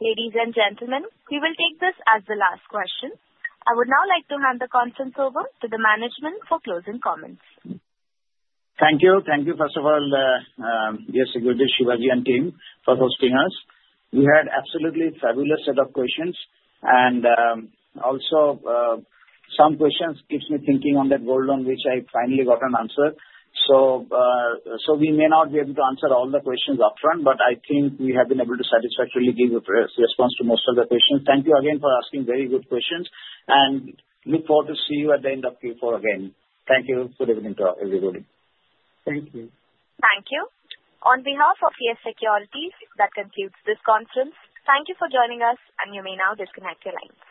Ladies and gentlemen, we will take this as the last question. I would now like to hand the conference over to the management for closing comments. Thank you. Thank you, first of all, Yes Securities, Shivaji, and team for hosting us. We had absolutely a fabulous set of questions. And also, some questions keep me thinking on that gold loan, which I finally got an answer. So we may not be able to answer all the questions upfront, but I think we have been able to satisfactorily give a response to most of the questions. Thank you again for asking very good questions. And look forward to seeing you at the end of Q4 again. Thank you for everything to everybody. Thank you. Thank you. On behalf of Yes Securities, that concludes this conference. Thank you for joining us, and you may now disconnect your lines.